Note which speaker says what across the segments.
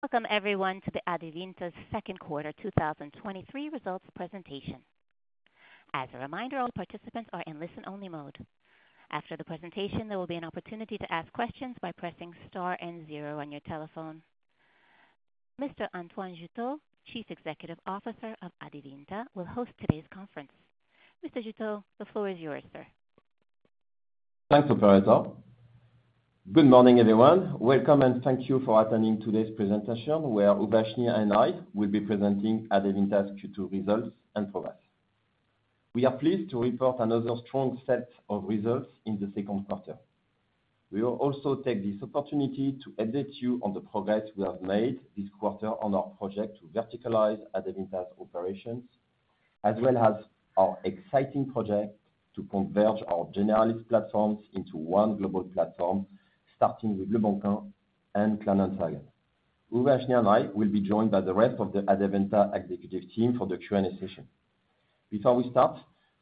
Speaker 1: Welcome everyone to Adevinta's second quarter 2023 results presentation. As a reminder, all participants are in listen-only mode. After the presentation, there will be an opportunity to ask questions by pressing star and zero on your telephone. Mr. Antoine Jouteau, Chief Executive Officer of Adevinta, will host today's conference. Mr. Jouteau, the floor is yours, sir.
Speaker 2: Thanks, operator. Good morning, everyone. Welcome, and thank you for attending today's presentation, where Uvashni and I will be presenting Adevinta's Q2 results and progress. We are pleased to report another strong set of results in the second quarter. We will also take this opportunity to update you on the progress we have made this quarter on our project to verticalize Adevinta's operations, as well as our exciting project to converge our generalist platforms into one global platform, starting with Leboncoin and Kleinanzeigen. Uvashni and I will be joined by the rest of the Adevinta executive team for the Q&A session. Before we start,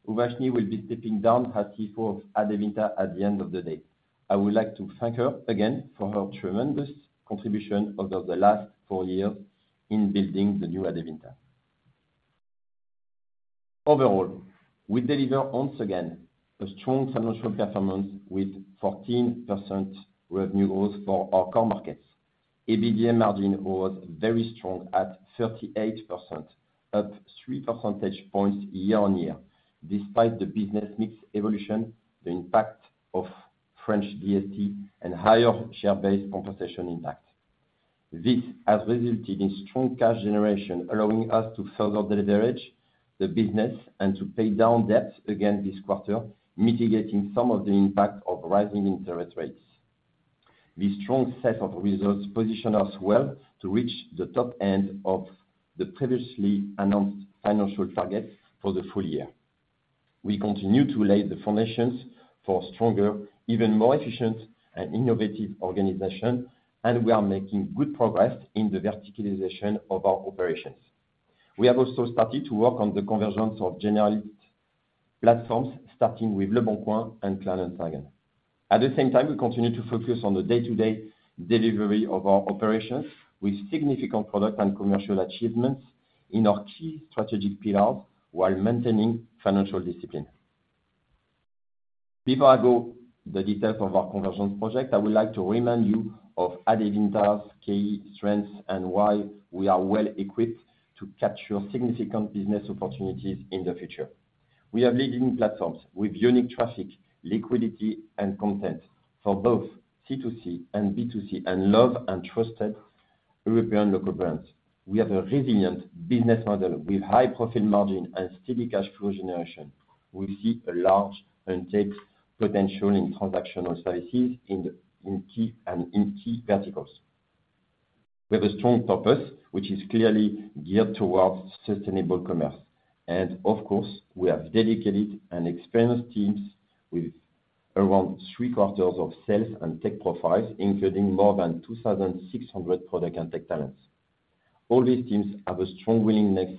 Speaker 2: Uvashni will be stepping down as CFO of Adevinta at the end of the day. I would like to thank her again for her tremendous contribution over the last four years in building the new Adevinta. Overall, we deliver once again a strong financial performance with 14% revenue growth for our core markets. EBITDA margin was very strong at 38%, up 3 percentage points year-on-year, despite the business mix evolution, the impact of French DST, and higher share-based compensation impact. This has resulted in strong cash generation, allowing us to further leverage the business and to pay down debt again this quarter, mitigating some of the impact of rising interest rates. This strong set of results position us well to reach the top end of the previously announced financial target for the full year. We continue to lay the foundations for stronger, even more efficient and innovative organization, and we are making good progress in the verticalization of our operations. We have also started to work on the convergence of generalist platforms, starting with Leboncoin and Kleinanzeigen. At the same time, we continue to focus on the day-to-day delivery of our operations with significant product and commercial achievements in our key strategic pillars while maintaining financial discipline. Before I go into the details of our convergence project, I would like to remind you of Adevinta's key strengths and why we are well-equipped to capture significant business opportunities in the future. We have leading platforms with unique traffic, liquidity, and content for both C2C and B2C, and loved and trusted European local brands. We have a resilient business model with high profit margin and steady cash flow generation. We see a large untapped potential in transactional services in key verticals. We have a strong purpose, which is clearly geared towards sustainable commerce. Of course, we have dedicated and experienced teams with around three-quarters of sales and tech profiles, including more than 2,600 product and tech talents. All these teams have a strong willingness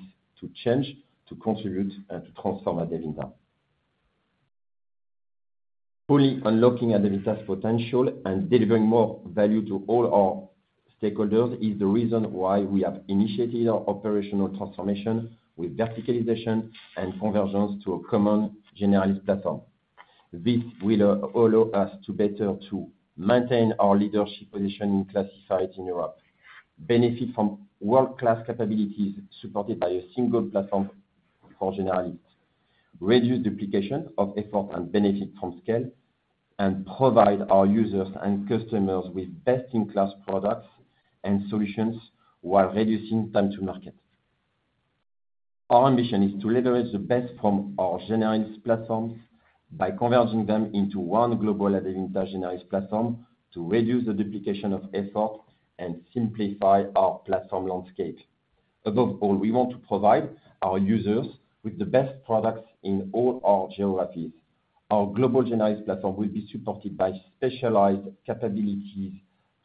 Speaker 2: to change, to contribute, and to transform Adevinta. Fully unlocking Adevinta's potential and delivering more value to all our stakeholders is the reason why we have initiated our operational transformation with verticalization and convergence to a common generalist platform. This will allow us to better maintain our leadership position in classifieds in Europe, benefit from world-class capabilities supported by a single platform for generalists, reduce duplication of effort and benefit from scale, and provide our users and customers with best-in-class products and solutions while reducing time to market. Our ambition is to leverage the best from our generalist platforms by converging them into one global Adevinta generalist platform to reduce the duplication of effort and simplify our platform landscape. Above all, we want to provide our users with the best products in all our geographies. Our global generalist platform will be supported by specialized capabilities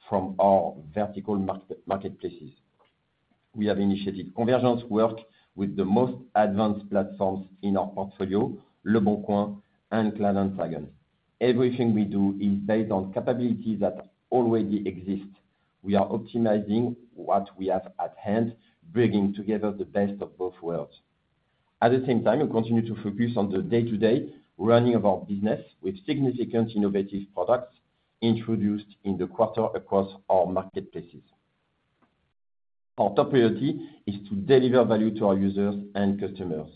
Speaker 2: from our vertical marketplaces. We have initiated convergence work with the most advanced platforms in our portfolio, Leboncoin and Kleinanzeigen. Everything we do is based on capabilities that already exist. We are optimizing what we have at hand, bringing together the best of both worlds. At the same time, we continue to focus on the day-to-day running of our business with significant innovative products introduced in the quarter across our marketplaces. Our top priority is to deliver value to our users and customers.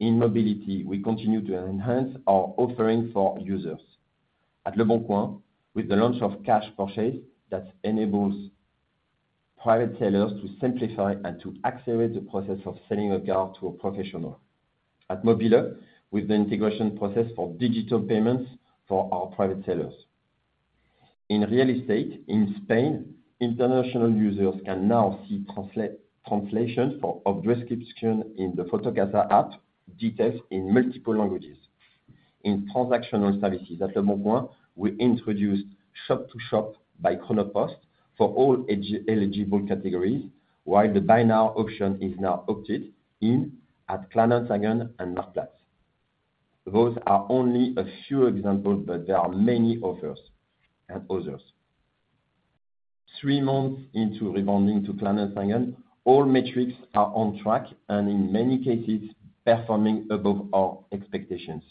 Speaker 2: In mobility, we continue to enhance our offering for users. At Leboncoin, with the launch of cash purchase, that enables private sellers to simplify and to accelerate the process of selling a car to a professional. At mobile.de, with the integration process for digital payments for our private sellers. In real estate, in Spain, international users can now see translation for a description in the Fotocasa app, details in multiple languages. In transactional services at Leboncoin, we introduced Shop2Shop by Chronopost for all eligible categories, while the Buy Now option is now opted in at Kleinanzeigen and Marktplaats. Those are only a few examples, but there are many others, and others. Three months into rebranding to Kleinanzeigen, all metrics are on track, and in many cases, performing above our expectations.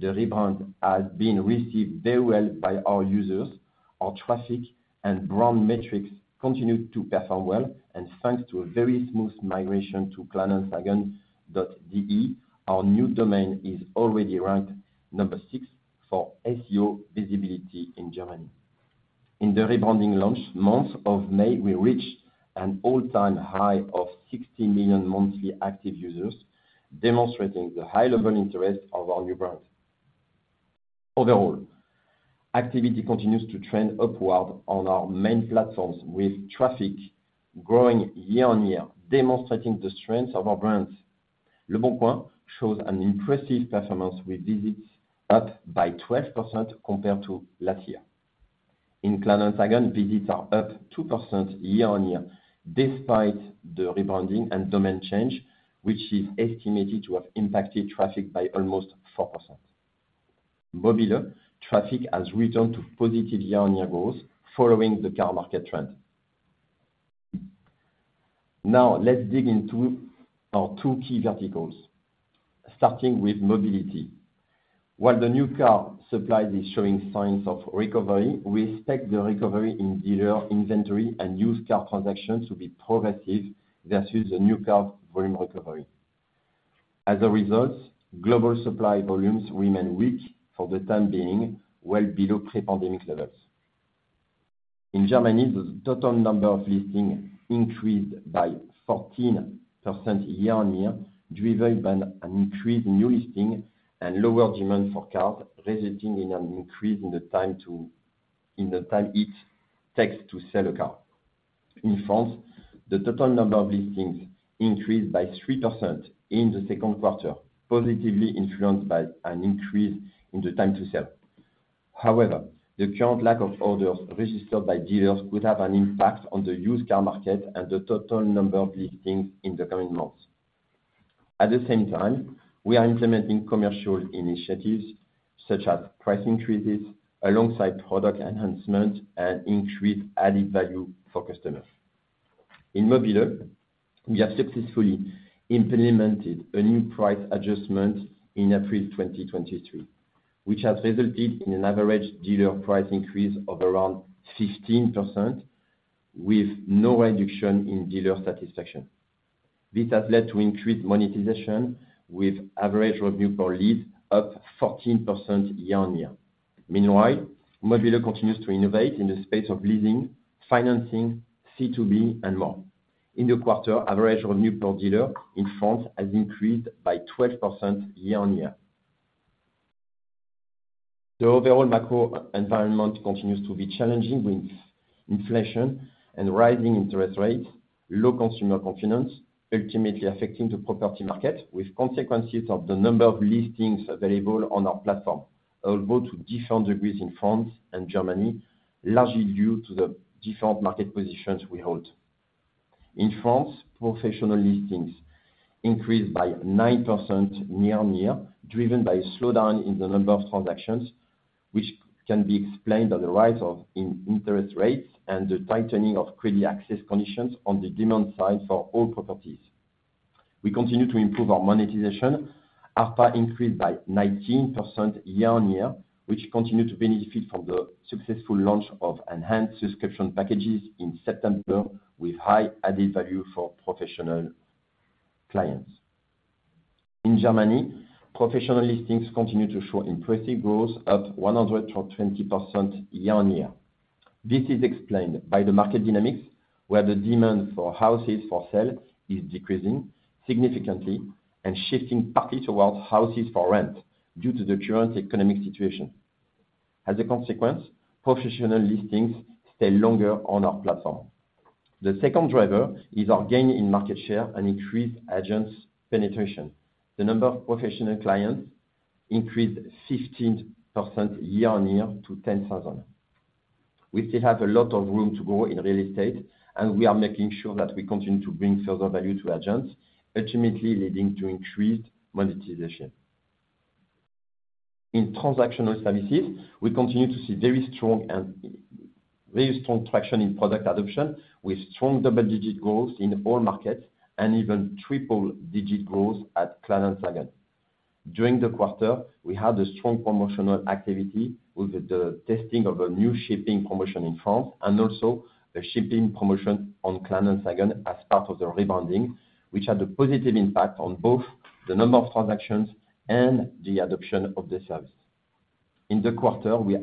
Speaker 2: The rebrand has been received very well by our users. Our traffic and brand metrics continue to perform well, and thanks to a very smooth migration to Kleinanzeigen.de, our new domain is already ranked number six for SEO visibility in Germany. In the rebranding launch month of May, we reached an all-time high of 60 million monthly active users, demonstrating the high level interest of our new brand. Overall, activity continues to trend upward on our main platforms, with traffic growing year-on-year, demonstrating the strength of our brands. Leboncoin shows an impressive performance, with visits up by 12% compared to last year. In Kleinanzeigen, visits are up 2% year-on-year, despite the rebranding and domain change, which is estimated to have impacted traffic by almost 4%. Mobile traffic has returned to positive year-on-year growth, following the car market trend. Now, let's dig into our two key verticals, starting with mobility. While the new car supply is showing signs of recovery, we expect the recovery in dealer inventory and used car transactions to be progressive versus the new car volume recovery. As a result, global supply volumes remain weak for the time being, well below pre-pandemic levels. In Germany, the total number of listings increased by 14% year-on-year, driven by an increase in new listing and lower demand for cars, resulting in an increase in the time it takes to sell a car. In France, the total number of listings increased by 3% in the second quarter, positively influenced by an increase in the time to sell. However, the current lack of orders registered by dealers could have an impact on the used car market and the total number of listings in the coming months. At the same time, we are implementing commercial initiatives such as price increases alongside product enhancement and increased added value for customers. In Mobile, we have successfully implemented a new price adjustment in April 2023, which has resulted in an average dealer price increase of around 16%, with no reduction in dealer satisfaction. This has led to increased monetization, with average revenue per lead up 14% year-on-year. Meanwhile, Mobile continues to innovate in the space of leasing, financing, C2B, and more. In the quarter, average revenue per dealer in France has increased by 12% year-on-year. The overall macro environment continues to be challenging, with inflation and rising interest rates, low consumer confidence, ultimately affecting the property market, with consequences of the number of listings available on our platform, although to different degrees in France and Germany, largely due to the different market positions we hold. In France, professional listings increased by 9% year-on-year, driven by a slowdown in the number of transactions, which can be explained by the rise in interest rates and the tightening of credit access conditions on the demand side for all properties. We continue to improve our monetization. ARPA increased by 19% year-on-year, which continued to benefit from the successful launch of enhanced subscription packages in September, with high added value for professional clients. In Germany, professional listings continue to show impressive growth, up 120% year-on-year. This is explained by the market dynamics, where the demand for houses for sale is decreasing significantly and shifting partly towards houses for rent due to the current economic situation. As a consequence, professional listings stay longer on our platform. The second driver is our gain in market share and increased agents' penetration. The number of professional clients increased 15% year-on-year to 10,000. We still have a lot of room to grow in real estate, and we are making sure that we continue to bring further value to agents, ultimately leading to increased monetization. In transactional services, we continue to see very strong traction in product adoption, with strong double-digit growth in all markets and even triple-digit growth at Kleinanzeigen. During the quarter, we had a strong promotional activity with the testing of a new shipping promotion in France, and also a shipping promotion on Kleinanzeigen as part of the rebranding, which had a positive impact on both the number of transactions and the adoption of the service. In the quarter, we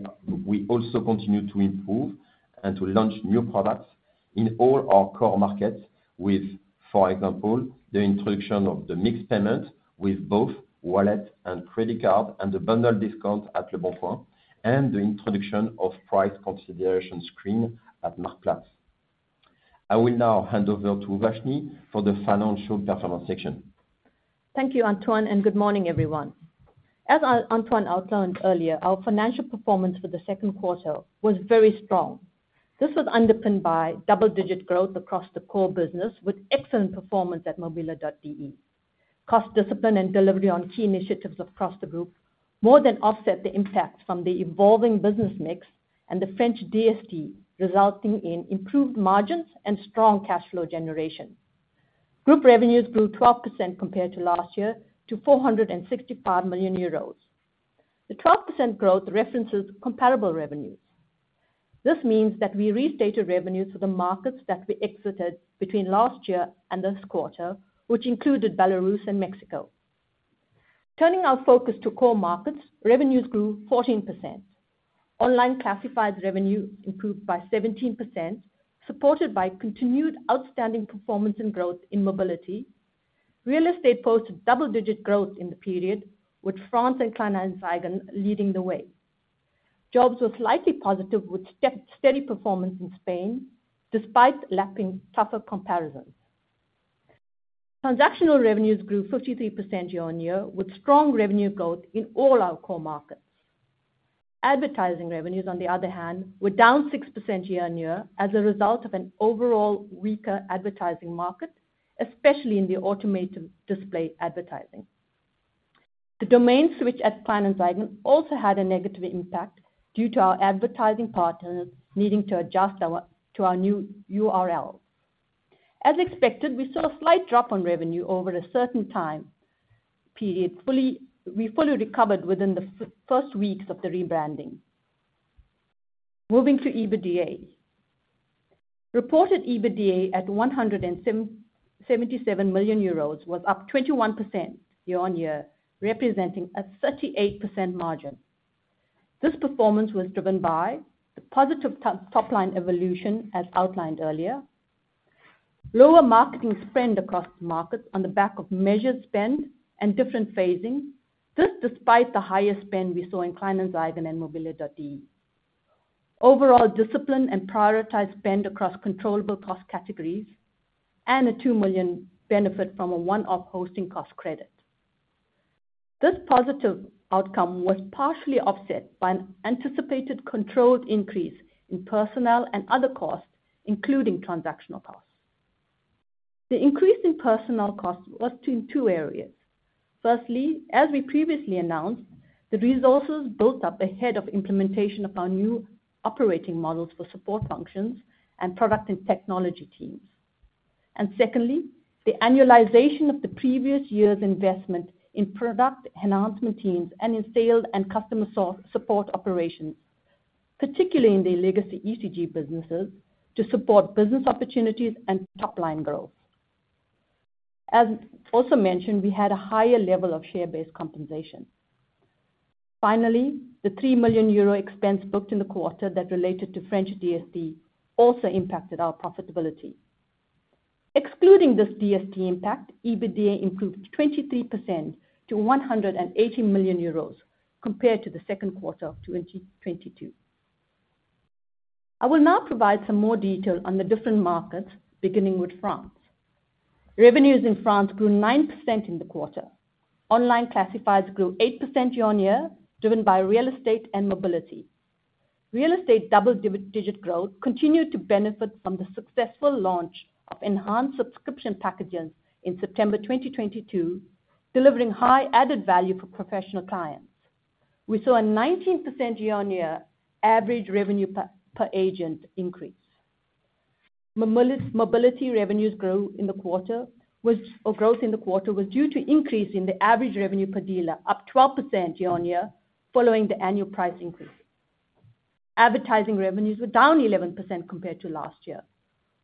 Speaker 2: also continued to improve and to launch new products in all our core markets with, for example, the introduction of the mixed payment with both wallet and credit card, and the bundle discount at Leboncoin, and the introduction of price consideration screen at Marktplaats. I will now hand over to Uvashni for the financial performance section.
Speaker 3: Thank you, Antoine, and good morning, everyone. As Antoine outlined earlier, our financial performance for the second quarter was very strong.... This was underpinned by double-digit growth across the core business, with excellent performance at mobile.de. Cost discipline and delivery on key initiatives across the group more than offset the impact from the evolving business mix and the French DST, resulting in improved margins and strong cash flow generation. Group revenues grew 12% compared to last year to 465 million euros. The 12% growth references comparable revenues. This means that we restated revenues for the markets that we exited between last year and this quarter, which included Belarus and Mexico. Turning our focus to core markets, revenues grew 14%. Online classifieds revenue improved by 17%, supported by continued outstanding performance and growth in mobility. Real estate posted double-digit growth in the period, with France and Kleinanzeigen leading the way. Jobs were slightly positive, with steady performance in Spain, despite lapping tougher comparisons. Transactional revenues grew 53% year-on-year, with strong revenue growth in all our core markets. Advertising revenues, on the other hand, were down 6% year-on-year as a result of an overall weaker advertising market, especially in the automated display advertising. The domain switch at Kleinanzeigen also had a negative impact due to our advertising partners needing to adjust to our new URL. As expected, we saw a slight drop on revenue over a certain time period. We fully recovered within the first weeks of the rebranding. Moving to EBITDA. Reported EBITDA at 177 million euros was up 21% year-on-year, representing a 38% margin. This performance was driven by the positive top line evolution, as outlined earlier. Lower marketing spend across markets on the back of measured spend and different phasing. This despite the higher spend we saw in Kleinanzeigen and mobile.de. Overall discipline and prioritized spend across controllable cost categories, and a 2 million benefit from a one-off hosting cost credit. This positive outcome was partially offset by an anticipated controlled increase in personnel and other costs, including transactional costs. The increase in personnel costs was in two areas. Firstly, as we previously announced, the resources built up ahead of implementation of our new operating models for support functions and product and technology teams. And secondly, the annualization of the previous year's investment in product enhancement teams and in sales and customer support operations, particularly in the legacy ECG businesses, to support business opportunities and top line growth. As also mentioned, we had a higher level of share-based compensation. Finally, the 3 million euro expense booked in the quarter that related to French DST also impacted our profitability. Excluding this DST impact, EBITDA improved 23% to 180 million euros compared to the second quarter of 2022. I will now provide some more detail on the different markets, beginning with France. Revenues in France grew 9% in the quarter. Online classifieds grew 8% year-on-year, driven by real estate and mobility. Real estate double-digit growth continued to benefit from the successful launch of enhanced subscription packages in September 2022, delivering high added value for professional clients. We saw a 19% year-on-year average revenue per agent increase. Mobility revenues grew in the quarter. Growth in the quarter was due to increase in the average revenue per dealer, up 12% year-on-year following the annual price increase. Advertising revenues were down 11% compared to last year.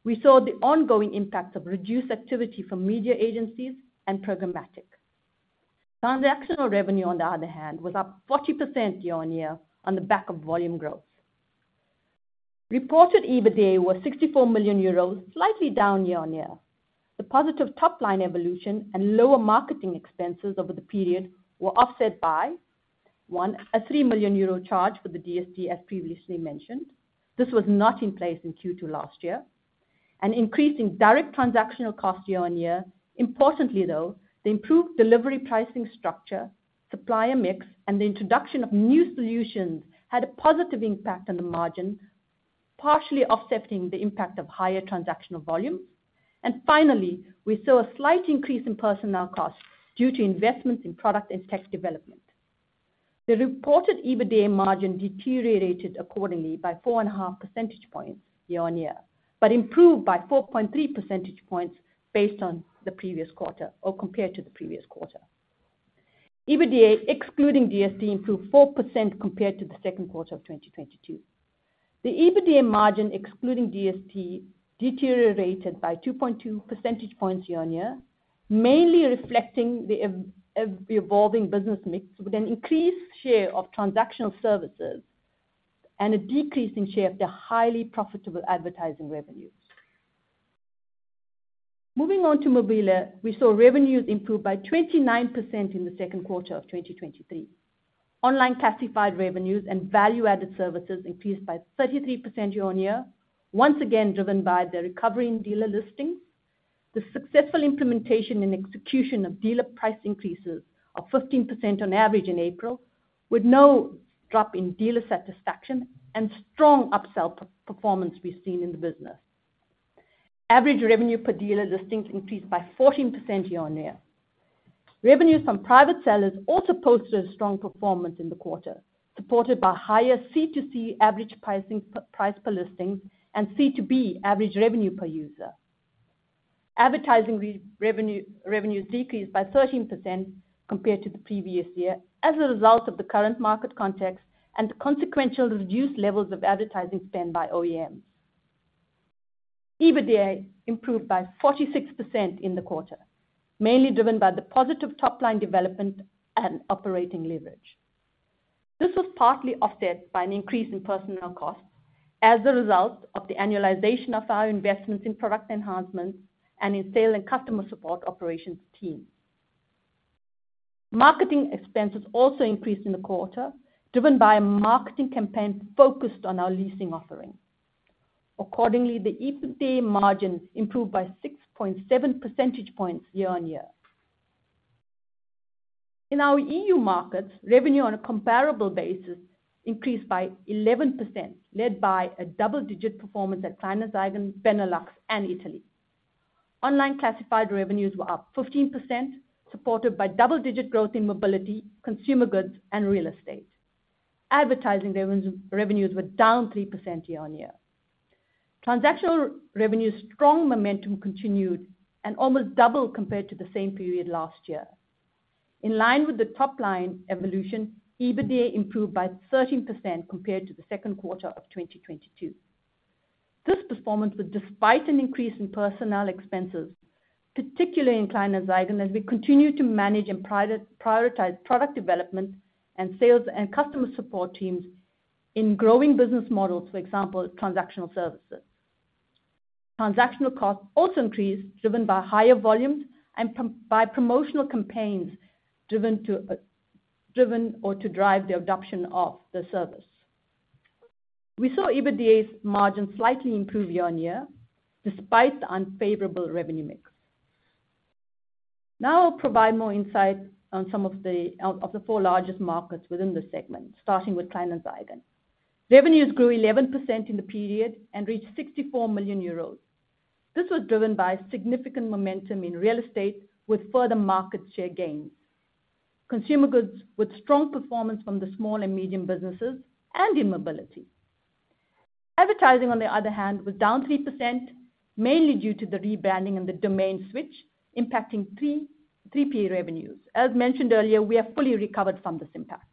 Speaker 3: We saw the ongoing impact of reduced activity from media agencies and programmatic. Transactional revenue, on the other hand, was up 40% year-on-year on the back of volume growth. Reported EBITDA was EUR 64 million, slightly down year-on-year. The positive top-line evolution and lower marketing expenses over the period were offset by, one, a 3 million euro charge for the DST, as previously mentioned. This was not in place in Q2 last year. An increase in direct transactional costs year-on-year. Importantly, though, the improved delivery pricing structure, supplier mix, and the introduction of new solutions had a positive impact on the margin, partially offsetting the impact of higher transactional volumes. And finally, we saw a slight increase in personnel costs due to investments in product and tech development. The reported EBITDA margin deteriorated accordingly by 4.5 percentage points year-on-year, but improved by 4.3 percentage points based on the previous quarter or compared to the previous quarter. EBITDA, excluding DST, improved 4% compared to the second quarter of 2022. The EBITDA margin, excluding DST, deteriorated by 2.2 percentage points year-on-year, mainly reflecting the evolving business mix, with an increased share of transactional services and a decreasing share of the highly profitable advertising revenues. Moving on to Mobile, we saw revenues improve by 29% in the second quarter of 2023. Online classified revenues and value-added services increased by 33% year-on-year, once again driven by the recovery in dealer listings.... The successful implementation and execution of dealer price increases of 15% on average in April, with no drop in dealer satisfaction and strong upsell per-performance we've seen in the business. Average revenue per dealer listings increased by 14% year-on-year. Revenues from private sellers also posted a strong performance in the quarter, supported by higher C2C average pricing, price per listing, and C2B average revenue per user. Advertising revenue decreased by 13% compared to the previous year, as a result of the current market context and the consequential reduced levels of advertising spend by OEMs. EBITDA improved by 46% in the quarter, mainly driven by the positive top line development and operating leverage. This was partly offset by an increase in personnel costs as a result of the annualization of our investments in product enhancements and in sales and customer support operations teams. Marketing expenses also increased in the quarter, driven by a marketing campaign focused on our leasing offering. Accordingly, the EBITDA margin improved by 6.7 percentage points year-on-year. In our EU markets, revenue on a comparable basis increased by 11%, led by a double-digit performance at Kleinanzeigen, Benelux, and Italy. Online classified revenues were up 15%, supported by double-digit growth in mobility, consumer goods and real estate. Advertising revenues were down 3% year-on-year. Transactional revenues, strong momentum continued and almost double compared to the same period last year. In line with the top line evolution, EBITDA improved by 13% compared to the second quarter of 2022. This performance was despite an increase in personnel expenses, particularly in Kleinanzeigen, as we continue to manage and prioritize product development and sales and customer support teams in growing business models, for example, transactional services. Transactional costs also increased, driven by higher volumes and by promotional campaigns, driven to drive the adoption of the service. We saw EBITDA's margin slightly improve year-on-year, despite the unfavorable revenue mix. Now I'll provide more insight on some of the four largest markets within the segment, starting with Kleinanzeigen. Revenues grew 11% in the period and reached 64 million euros. This was driven by significant momentum in real estate, with further market share gains. Consumer goods, with strong performance from the small and medium businesses and in mobility. Advertising, on the other hand, was down 3%, mainly due to the rebranding and the domain switch, impacting three, 3P revenues. As mentioned earlier, we are fully recovered from this impact.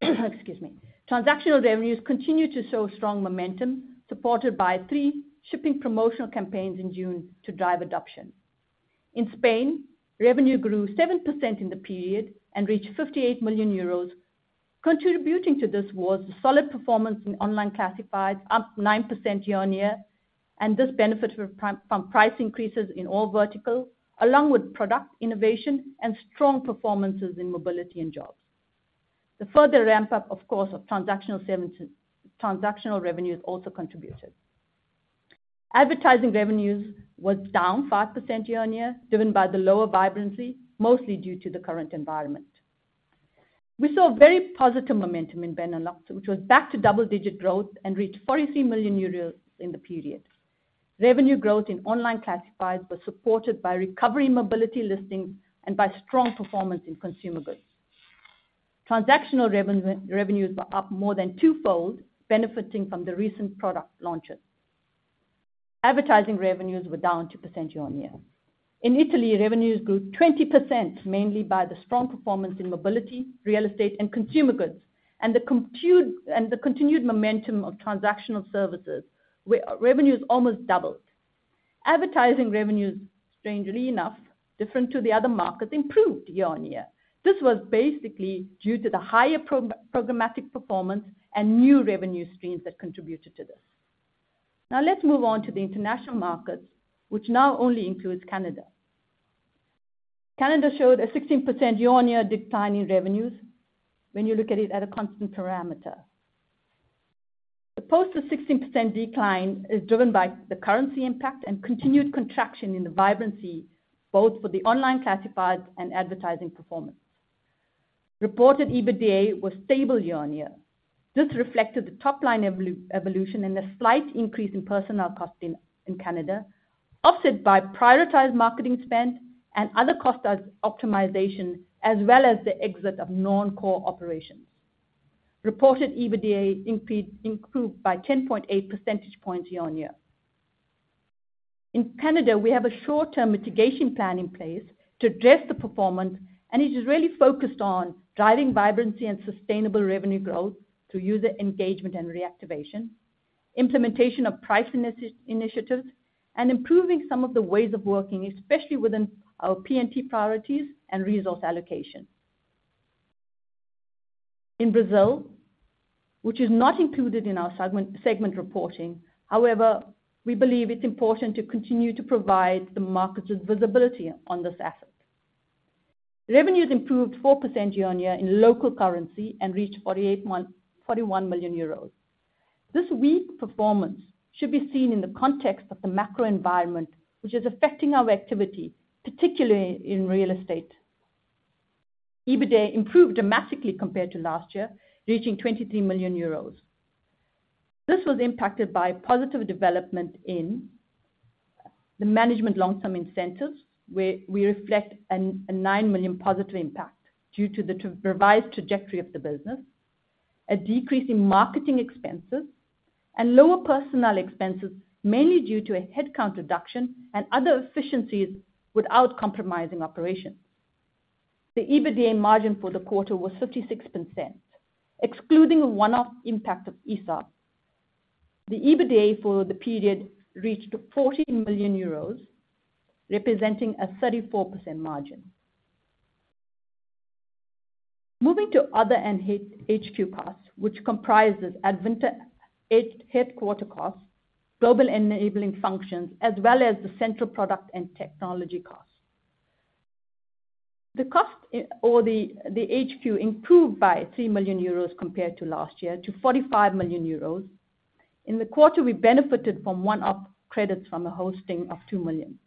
Speaker 3: Excuse me. Transactional revenues continue to show strong momentum, supported by three shipping promotional campaigns in June to drive adoption. In Spain, revenue grew 7% in the period and reached 58 million euros. Contributing to this was the solid performance in online classifieds, up 9% year-on-year, and this benefited from price increases in all verticals, along with product innovation and strong performances in mobility and jobs. The further ramp up, of course, of transactional services, transactional revenues also contributed. Advertising revenues was down 5% year-on-year, driven by the lower vibrancy, mostly due to the current environment. We saw a very positive momentum in Benelux, which was back to double-digit growth and reached 43 million euros in the period. Revenue growth in online classifieds was supported by recovery mobility listings and by strong performance in consumer goods. Transactional revenues were up more than twofold, benefiting from the recent product launches. Advertising revenues were down 2% year-on-year. In Italy, revenues grew 20%, mainly by the strong performance in mobility, real estate, and consumer goods, and the continued momentum of transactional services, where revenues almost doubled. Advertising revenues, strangely enough, different to the other markets, improved year-on-year. This was basically due to the higher programmatic performance and new revenue streams that contributed to this. Now let's move on to the international markets, which now only includes Canada. Canada showed a 16% year-on-year decline in revenues when you look at it at a constant currency. The 16% decline is driven by the currency impact and continued contraction in the vibrancy, both for the online classifieds and advertising performance. Reported EBITDA was stable year-on-year. This reflected the top line evolution and a slight increase in personnel costs in Canada, offset by prioritized marketing spend and other cost optimizations, as well as the exit of non-core operations. Reported EBITDA increased, improved by 10.8 percentage points year-on-year. In Canada, we have a short-term mitigation plan in place to address the performance, and it is really focused on driving vibrancy and sustainable revenue growth through user engagement and reactivation, implementation of pricing initiatives, and improving some of the ways of working, especially within our P&T priorities and resource allocation. In Brazil, which is not included in our segment reporting, however, we believe it's important to continue to provide the market with visibility on this asset. Revenues improved 4% year-on-year in local currency and reached 41 million euros. This weak performance should be seen in the context of the macro environment, which is affecting our activity, particularly in real estate. EBITDA improved dramatically compared to last year, reaching 23 million euros. This was impacted by positive development in the management long-term incentives, where we reflect a 9 million positive impact due to the revised trajectory of the business, a decrease in marketing expenses, and lower personnel expenses, mainly due to a headcount reduction and other efficiencies without compromising operations. The EBITDA margin for the quarter was 56%, excluding a one-off impact of ESOP. The EBITDA for the period reached 14 million euros, representing a 34% margin. Moving to other and head-HQ costs, which comprises Adevinta headquarter costs, global enabling functions, as well as the central product and technology costs. The cost, the HQ improved by 3 million euros compared to last year, to 45 million euros. In the quarter, we benefited from one-off credits from a hosting of 2 million.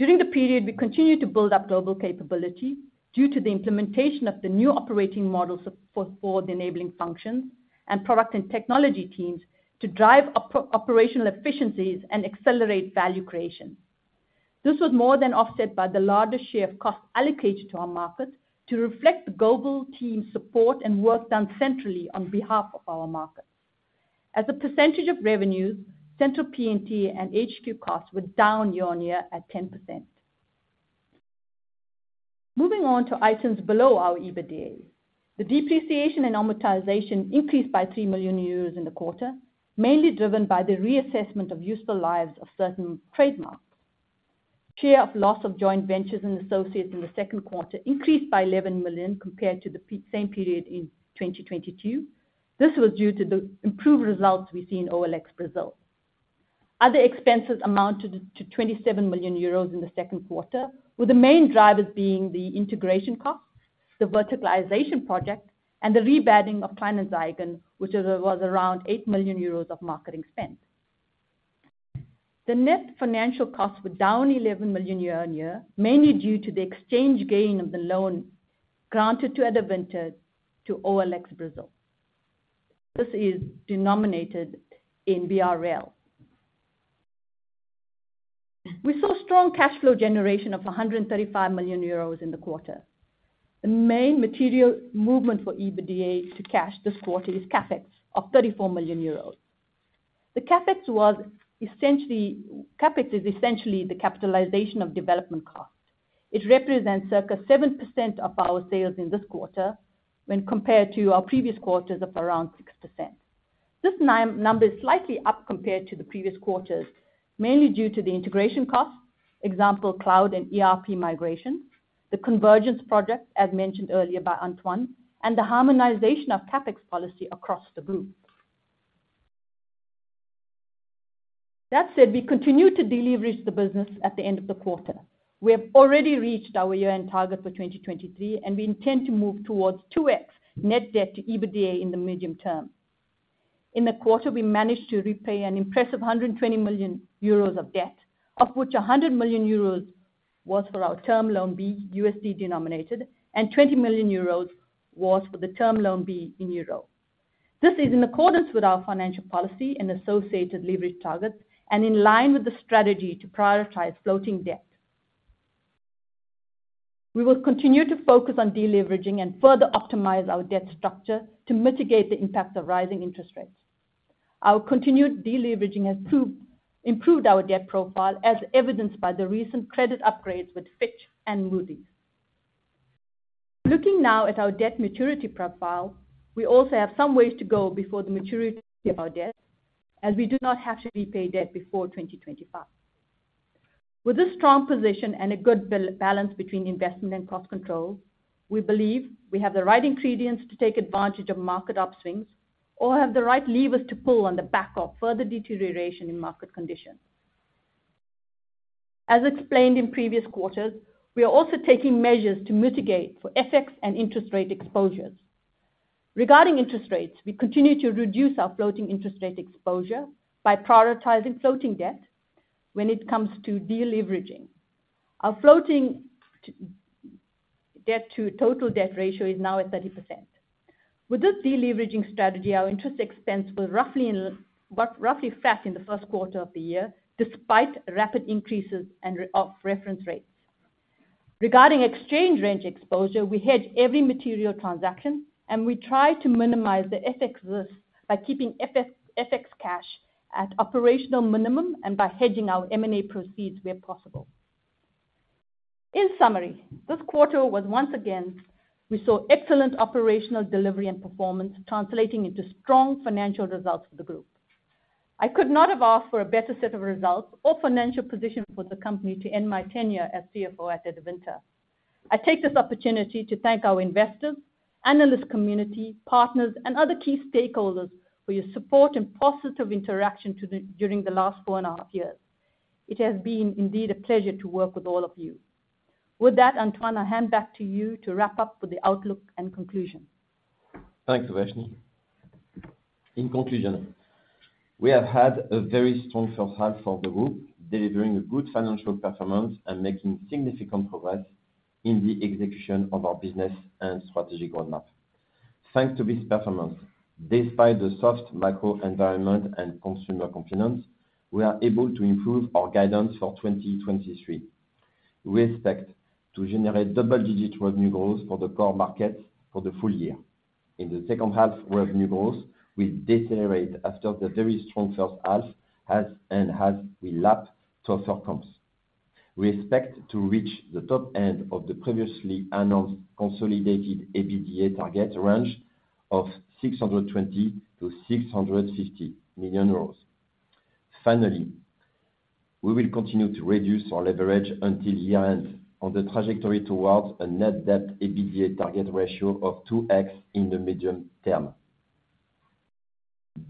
Speaker 3: During the period, we continued to build up global capability due to the implementation of the new operating models for the enabling functions and product and technology teams to drive operational efficiencies and accelerate value creation. This was more than offset by the larger share of costs allocated to our market to reflect the global team's support and work done centrally on behalf of our markets. As a percentage of revenue, central P&T and HQ costs were down year-on-year at 10%. Moving on to items below our EBITDA. The depreciation and amortization increased by 3 million euros in the quarter, mainly driven by the reassessment of useful lives of certain trademarks. Share of loss of joint ventures and associates in the second quarter increased by 11 million compared to the same period in 2022. This was due to the improved results we see in OLX Brazil. Other expenses amounted to 27 million euros in the second quarter, with the main drivers being the integration costs, the verticalization project, and the rebadging of Kleinanzeigen, which was around 8 million euros of marketing spend. The net financial costs were down 11 million year-on-year, mainly due to the exchange gain of the loan granted to Adevinta to OLX Brazil. This is denominated in BRL. We saw strong cash flow generation of 135 million euros in the quarter. The main material movement for EBITDA to cash this quarter is CapEx of 34 million euros. The CapEx is essentially the capitalization of development costs. It represents circa 7% of our sales in this quarter when compared to our previous quarters of around 6%. This number is slightly up compared to the previous quarters, mainly due to the integration costs, example, cloud and ERP migration, the convergence project, as mentioned earlier by Antoine, and the harmonization of CapEx policy across the group. That said, we continue to deleverage the business at the end of the quarter. We have already reached our year-end target for 2023, and we intend to move towards 2x net debt to EBITDA in the medium term. In the quarter, we managed to repay an impressive 120 million euros of debt, of which 100 million euros was for our term loan B, USD denominated, and 20 million euros was for the term loan B in euro. This is in accordance with our financial policy and associated leverage targets, and in line with the strategy to prioritize floating debt. We will continue to focus on deleveraging and further optimize our debt structure to mitigate the impact of rising interest rates. Our continued deleveraging has improved our debt profile, as evidenced by the recent credit upgrades with Fitch and Moody's. Looking now at our debt maturity profile, we also have some ways to go before the maturity of our debt, as we do not have to repay debt before 2025. With this strong position and a good balance between investment and cost control, we believe we have the right ingredients to take advantage of market upswings or have the right levers to pull on the back of further deterioration in market conditions. As explained in previous quarters, we are also taking measures to mitigate for FX and interest rate exposures. Regarding interest rates, we continue to reduce our floating interest rate exposure by prioritizing floating debt when it comes to deleveraging. Our floating debt to total debt ratio is now at 30%. With this deleveraging strategy, our interest expense was roughly flat in the first quarter of the year, despite rapid increases of reference rates. Regarding exchange rate exposure, we hedge every material transaction, and we try to minimize the FX risk by keeping FX, FX cash at operational minimum and by hedging our M&A proceeds where possible. In summary, this quarter was once again. We saw excellent operational delivery and performance translating into strong financial results for the group. I could not have asked for a better set of results or financial position for the company to end my tenure as CFO at Adevinta. I take this opportunity to thank our investors...... analysts, community, partners, and other key stakeholders for your support and positive interaction during the last 4.5 years. It has been indeed a pleasure to work with all of you. With that, Antoine, I hand back to you to wrap up with the outlook and conclusion.
Speaker 2: Thanks, Uvashni. In conclusion, we have had a very strong first half for the group, delivering a good financial performance and making significant progress in the execution of our business and strategic roadmap. Thanks to this performance, despite the soft macro environment and consumer confidence, we are able to improve our guidance for 2023. We expect to generate double-digit revenue growth for the core market for the full year. In the second half, revenue growth will decelerate after the very strong first half, as we have lapped softer comps. We expect to reach the top end of the previously announced consolidated EBITDA target range of 620 million-650 million euros. Finally, we will continue to reduce our leverage until year-end on the trajectory towards a net debt EBITDA target ratio of 2x in the medium term.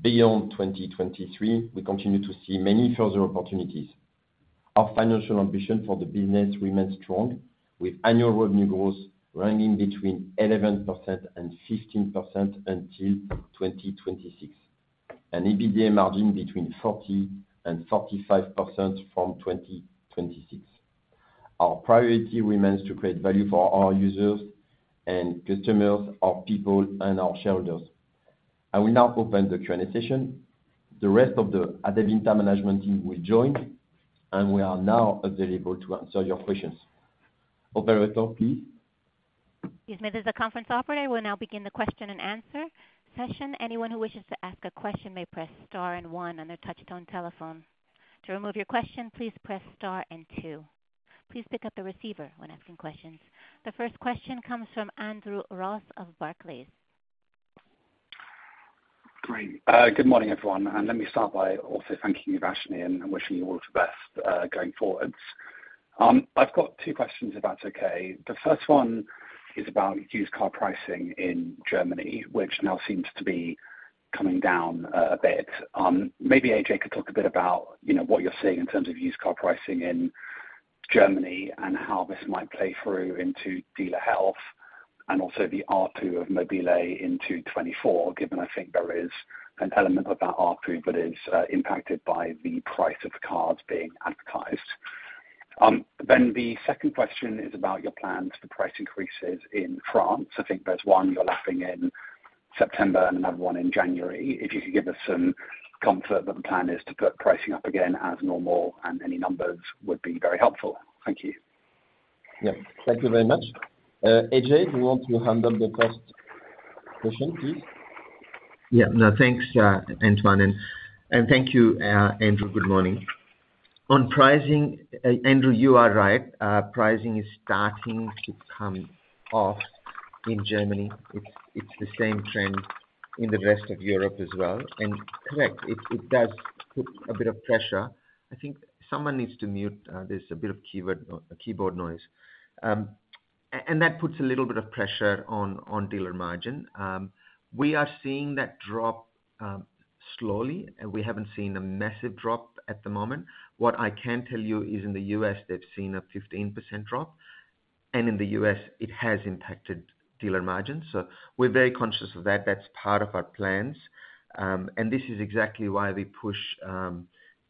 Speaker 2: Beyond 2023, we continue to see many further opportunities. Our financial ambition for the business remains strong, with annual revenue growth ranging between 11% and 15% until 2026, an EBITDA margin between 40% and 45% from 2026. Our priority remains to create value for our users and customers, our people, and our shareholders. I will now open the Q&A session. The rest of the Adevinta management team will join, and we are now available to answer your questions. Operator, please?
Speaker 1: Yes, this is the conference operator. We'll now begin the question and answer session. Anyone who wishes to ask a question may press star and one on their touchtone telephone. To remove your question, please press star and two. Please pick up the receiver when asking questions. The first question comes from Andrew Ross of Barclays.
Speaker 4: Great. Good morning, everyone, and let me start by also thanking you, Uvashni, and wishing you all the best going forward. I've got two questions, if that's okay. The first one is about used car pricing in Germany, which now seems to be coming down a bit. Maybe Ajay could talk a bit about, you know, what you're seeing in terms of used car pricing in Germany, and how this might play through into dealer health, and also the R2 of Mobile into 2024, given I think there is an element of that R3 that is impacted by the price of cars being advertised. Then the second question is about your plans for price increases in France. I think there's one you're lapping in September and another one in January. If you could give us some comfort that the plan is to put pricing up again as normal, and any numbers would be very helpful. Thank you.
Speaker 2: Yes, thank you very much. Ajay, do you want to handle the first question, please?
Speaker 5: Yeah. No, thanks, Antoine, and thank you, Andrew. Good morning. On pricing, Andrew, you are right. Pricing is starting to come off in Germany. It's the same trend in the rest of Europe as well. And correct, it does put a bit of pressure. I think someone needs to mute, there's a bit of keyboard noise. And that puts a little bit of pressure on dealer margin. We are seeing that drop slowly, and we haven't seen a massive drop at the moment. What I can tell you is in the U.S., they've seen a 15% drop, and in the U.S., it has impacted dealer margins. So we're very conscious of that. That's part of our plans. And this is exactly why we push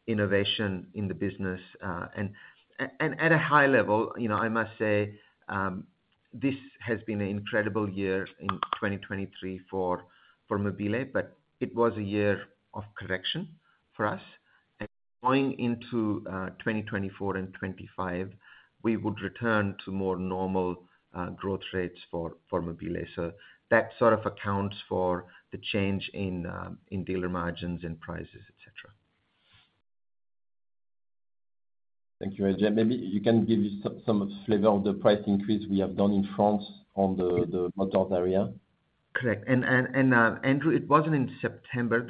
Speaker 5: innovation in the business. At a high level, you know, I must say, this has been an incredible year in 2023 for Mobile, but it was a year of correction for us. Going into 2024 and 2025, we would return to more normal growth rates for Mobile. So that sort of accounts for the change in dealer margins and prices, et cetera.
Speaker 2: Thank you, Ajay. Maybe you can give us some flavor of the price increase we have done in France on the motors area.
Speaker 5: Correct. And Andrew, it wasn't in September,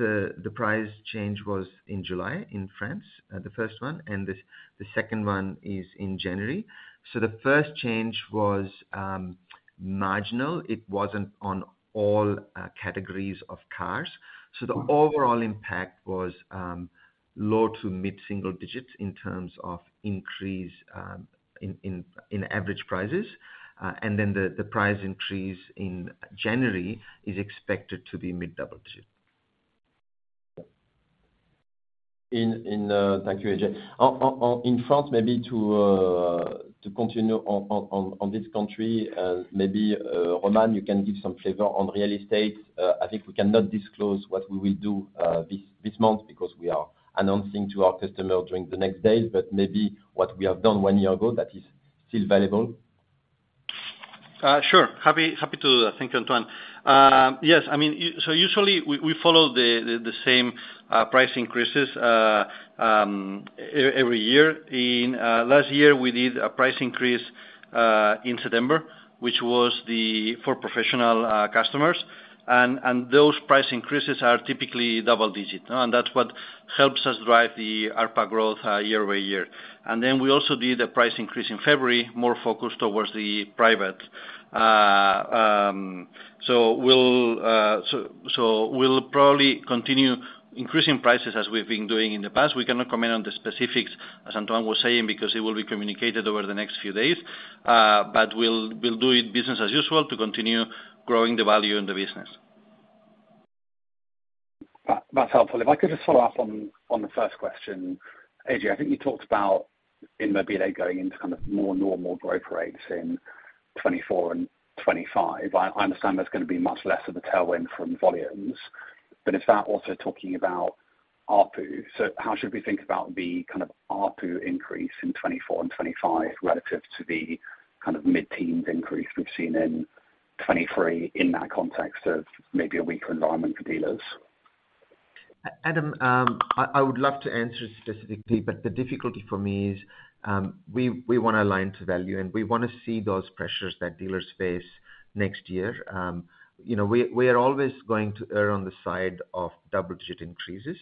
Speaker 5: the price change was in July, in France, the first one, and the second one is in January. So the first change was marginal. It wasn't on all categories of cars. So the overall impact was low to mid-single digits in terms of increase in average prices. And then the price increase in January is expected to be mid-double digit.
Speaker 2: Thank you, Ajay. In France, maybe to continue on this country, maybe Román, you can give some flavor on real estate. I think we cannot disclose what we will do this month, because we are announcing to our customer during the next days, but maybe what we have done one year ago that is still valuable.
Speaker 6: Sure. Happy to. Thank you, Antoine. Yes, I mean, so usually we follow the same price increases every year. In last year, we did a price increase in September, which was for professional customers. ... and those price increases are typically double digit, and that's what helps us drive the ARPA growth, year-over-year. And then we also did a price increase in February, more focused towards the private. So we'll probably continue increasing prices as we've been doing in the past. We cannot comment on the specifics, as Antoine was saying, because it will be communicated over the next few days. But we'll do it business as usual to continue growing the value in the business.
Speaker 4: That's helpful. If I could just follow up on the first question. Ajay, I think you talked about in Mobile going into kind of more normal growth rates in 2024 and 2025. I understand there's gonna be much less of a tailwind from volumes, but is that also talking about ARPU? How should we think about the kind of ARPU increase in 2024 and 2025, relative to the kind of mid-teen increase we've seen in 2023, in that context of maybe a weaker environment for dealers?
Speaker 5: Andrew, I, I would love to answer specifically, but the difficulty for me is, we, we wanna align to value, and we wanna see those pressures that dealers face next year. You know, we, we are always going to err on the side of double digit increases,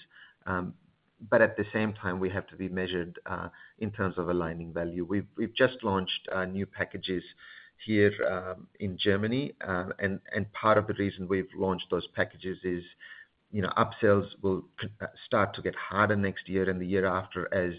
Speaker 5: but at the same time, we have to be measured, in terms of aligning value. We've, we've just launched, new packages here, in Germany. And, and part of the reason we've launched those packages is, you know, upsells will start to get harder next year and the year after as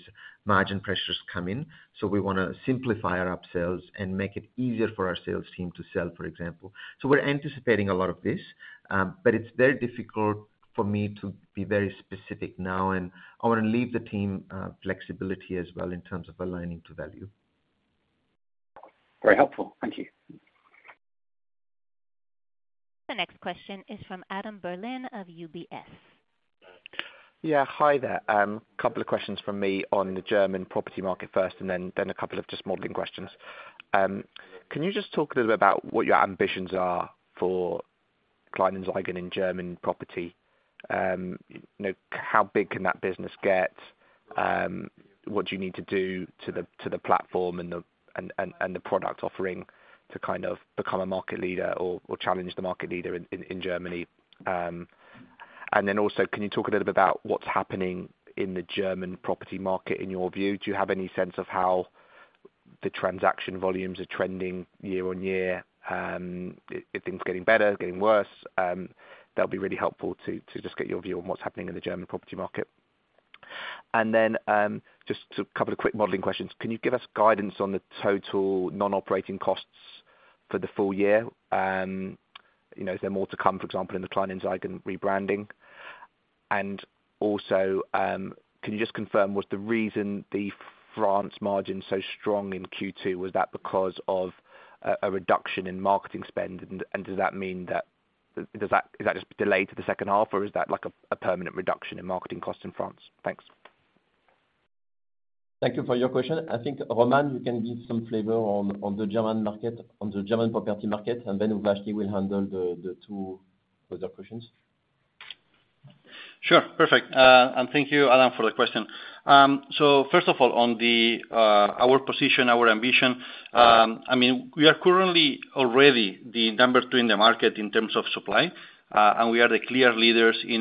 Speaker 5: margin pressures come in. So we wanna simplify our upsells and make it easier for our sales team to sell, for example. We're anticipating a lot of this, but it's very difficult for me to be very specific now, and I wanna leave the team flexibility as well in terms of aligning to value.
Speaker 4: Very helpful. Thank you.
Speaker 1: The next question is from Adam Berlin of UBS.
Speaker 7: Yeah, hi there. Couple of questions from me on the German property market first, and then a couple of just modeling questions. Can you just talk a little bit about what your ambitions are for Kleinanzeigen in German property? You know, how big can that business get? What do you need to do to the platform and the product offering to kind of become a market leader or challenge the market leader in Germany? And then also, can you talk a little bit about what's happening in the German property market in your view? Do you have any sense of how the transaction volumes are trending year on year? If things are getting better, getting worse, that'll be really helpful to just get your view on what's happening in the German property market. And then, just a couple of quick modeling questions. Can you give us guidance on the total non-operating costs for the full year? You know, is there more to come, for example, in the Kleinanzeigen rebranding? And also, can you just confirm, was the reason the France margin so strong in Q2, was that because of a reduction in marketing spend? And does that mean that, is that just delayed to the second half, or is that like a permanent reduction in marketing costs in France? Thanks.
Speaker 2: Thank you for your question. I think, Román, you can give some flavor on the German market, on the German property market, and then Uvashni will handle the two other questions.
Speaker 6: Sure. Perfect. And thank you, Adam, for the question. So first of all, on our position, our ambition, I mean, we are currently already the number two in the market in terms of supply, and we are the clear leaders in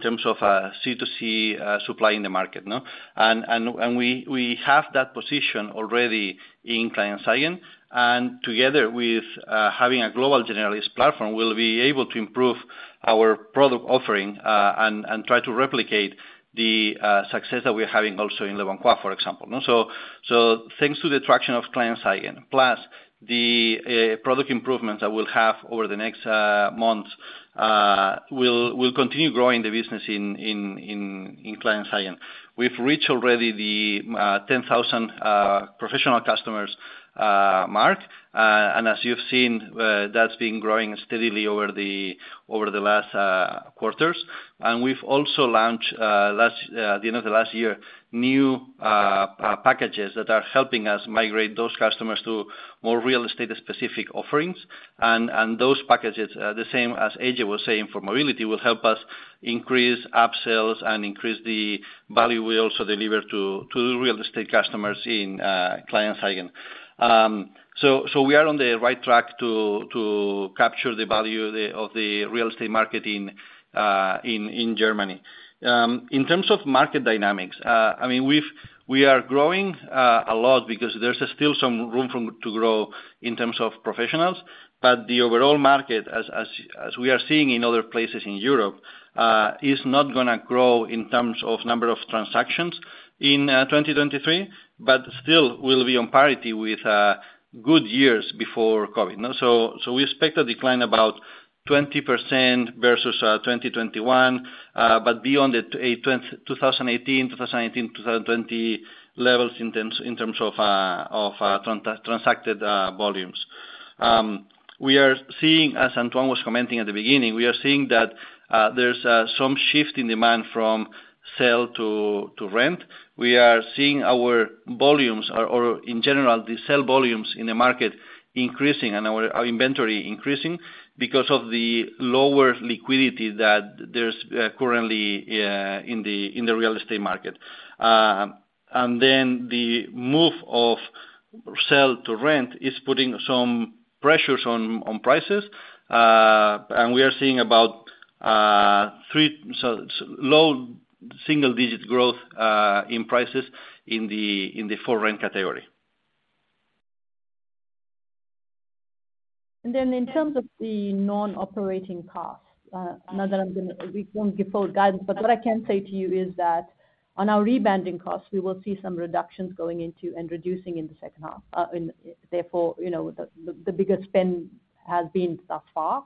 Speaker 6: terms of C2C supply in the market, no? And we have that position already in Kleinanzeigen, and together with having a global generalist platform, we'll be able to improve our product offering, and try to replicate the success that we're having also in Leboncoin, for example, no? Thanks to the traction of Kleinanzeigen, plus the product improvements that we'll have over the next months, we'll continue growing the business in Kleinanzeigen. We've reached already the 10,000 professional customers mark, and as you've seen, that's been growing steadily over the last quarters. We've also launched last at the end of the last year new packages that are helping us migrate those customers to more real estate-specific offerings. Those packages, the same as Ajay was saying for mobility, will help us increase upsales and increase the value we also deliver to real estate customers in Kleinanzeigen. So we are on the right track to capture the value of the real estate market in Germany. In terms of market dynamics, I mean, we are growing a lot because there's still some room to grow in terms of professionals, but the overall market, as we are seeing in other places in Europe, is not gonna grow in terms of number of transactions in 2023, but still will be on parity with good years before COVID, no? So we expect a decline about 20% versus 2021, but beyond the 2018, 2019, 2020 levels in terms of transacted volumes. We are seeing, as Antoine was commenting at the beginning, we are seeing that there's some shift in demand from sale to rent. We are seeing our volumes in general, the sale volumes in the market increasing and our inventory increasing because of the lower liquidity that's currently in the real estate market. And then the move from sell to rent is putting some pressures on prices. And we are seeing about three, so low single-digit growth in prices in the for-rent category.
Speaker 3: Then in terms of the non-operating costs, we won't give full guidance, but what I can say to you is that on our rebranding costs, we will see some reductions going into and reducing in the second half. And therefore, you know, the biggest spend has been thus far.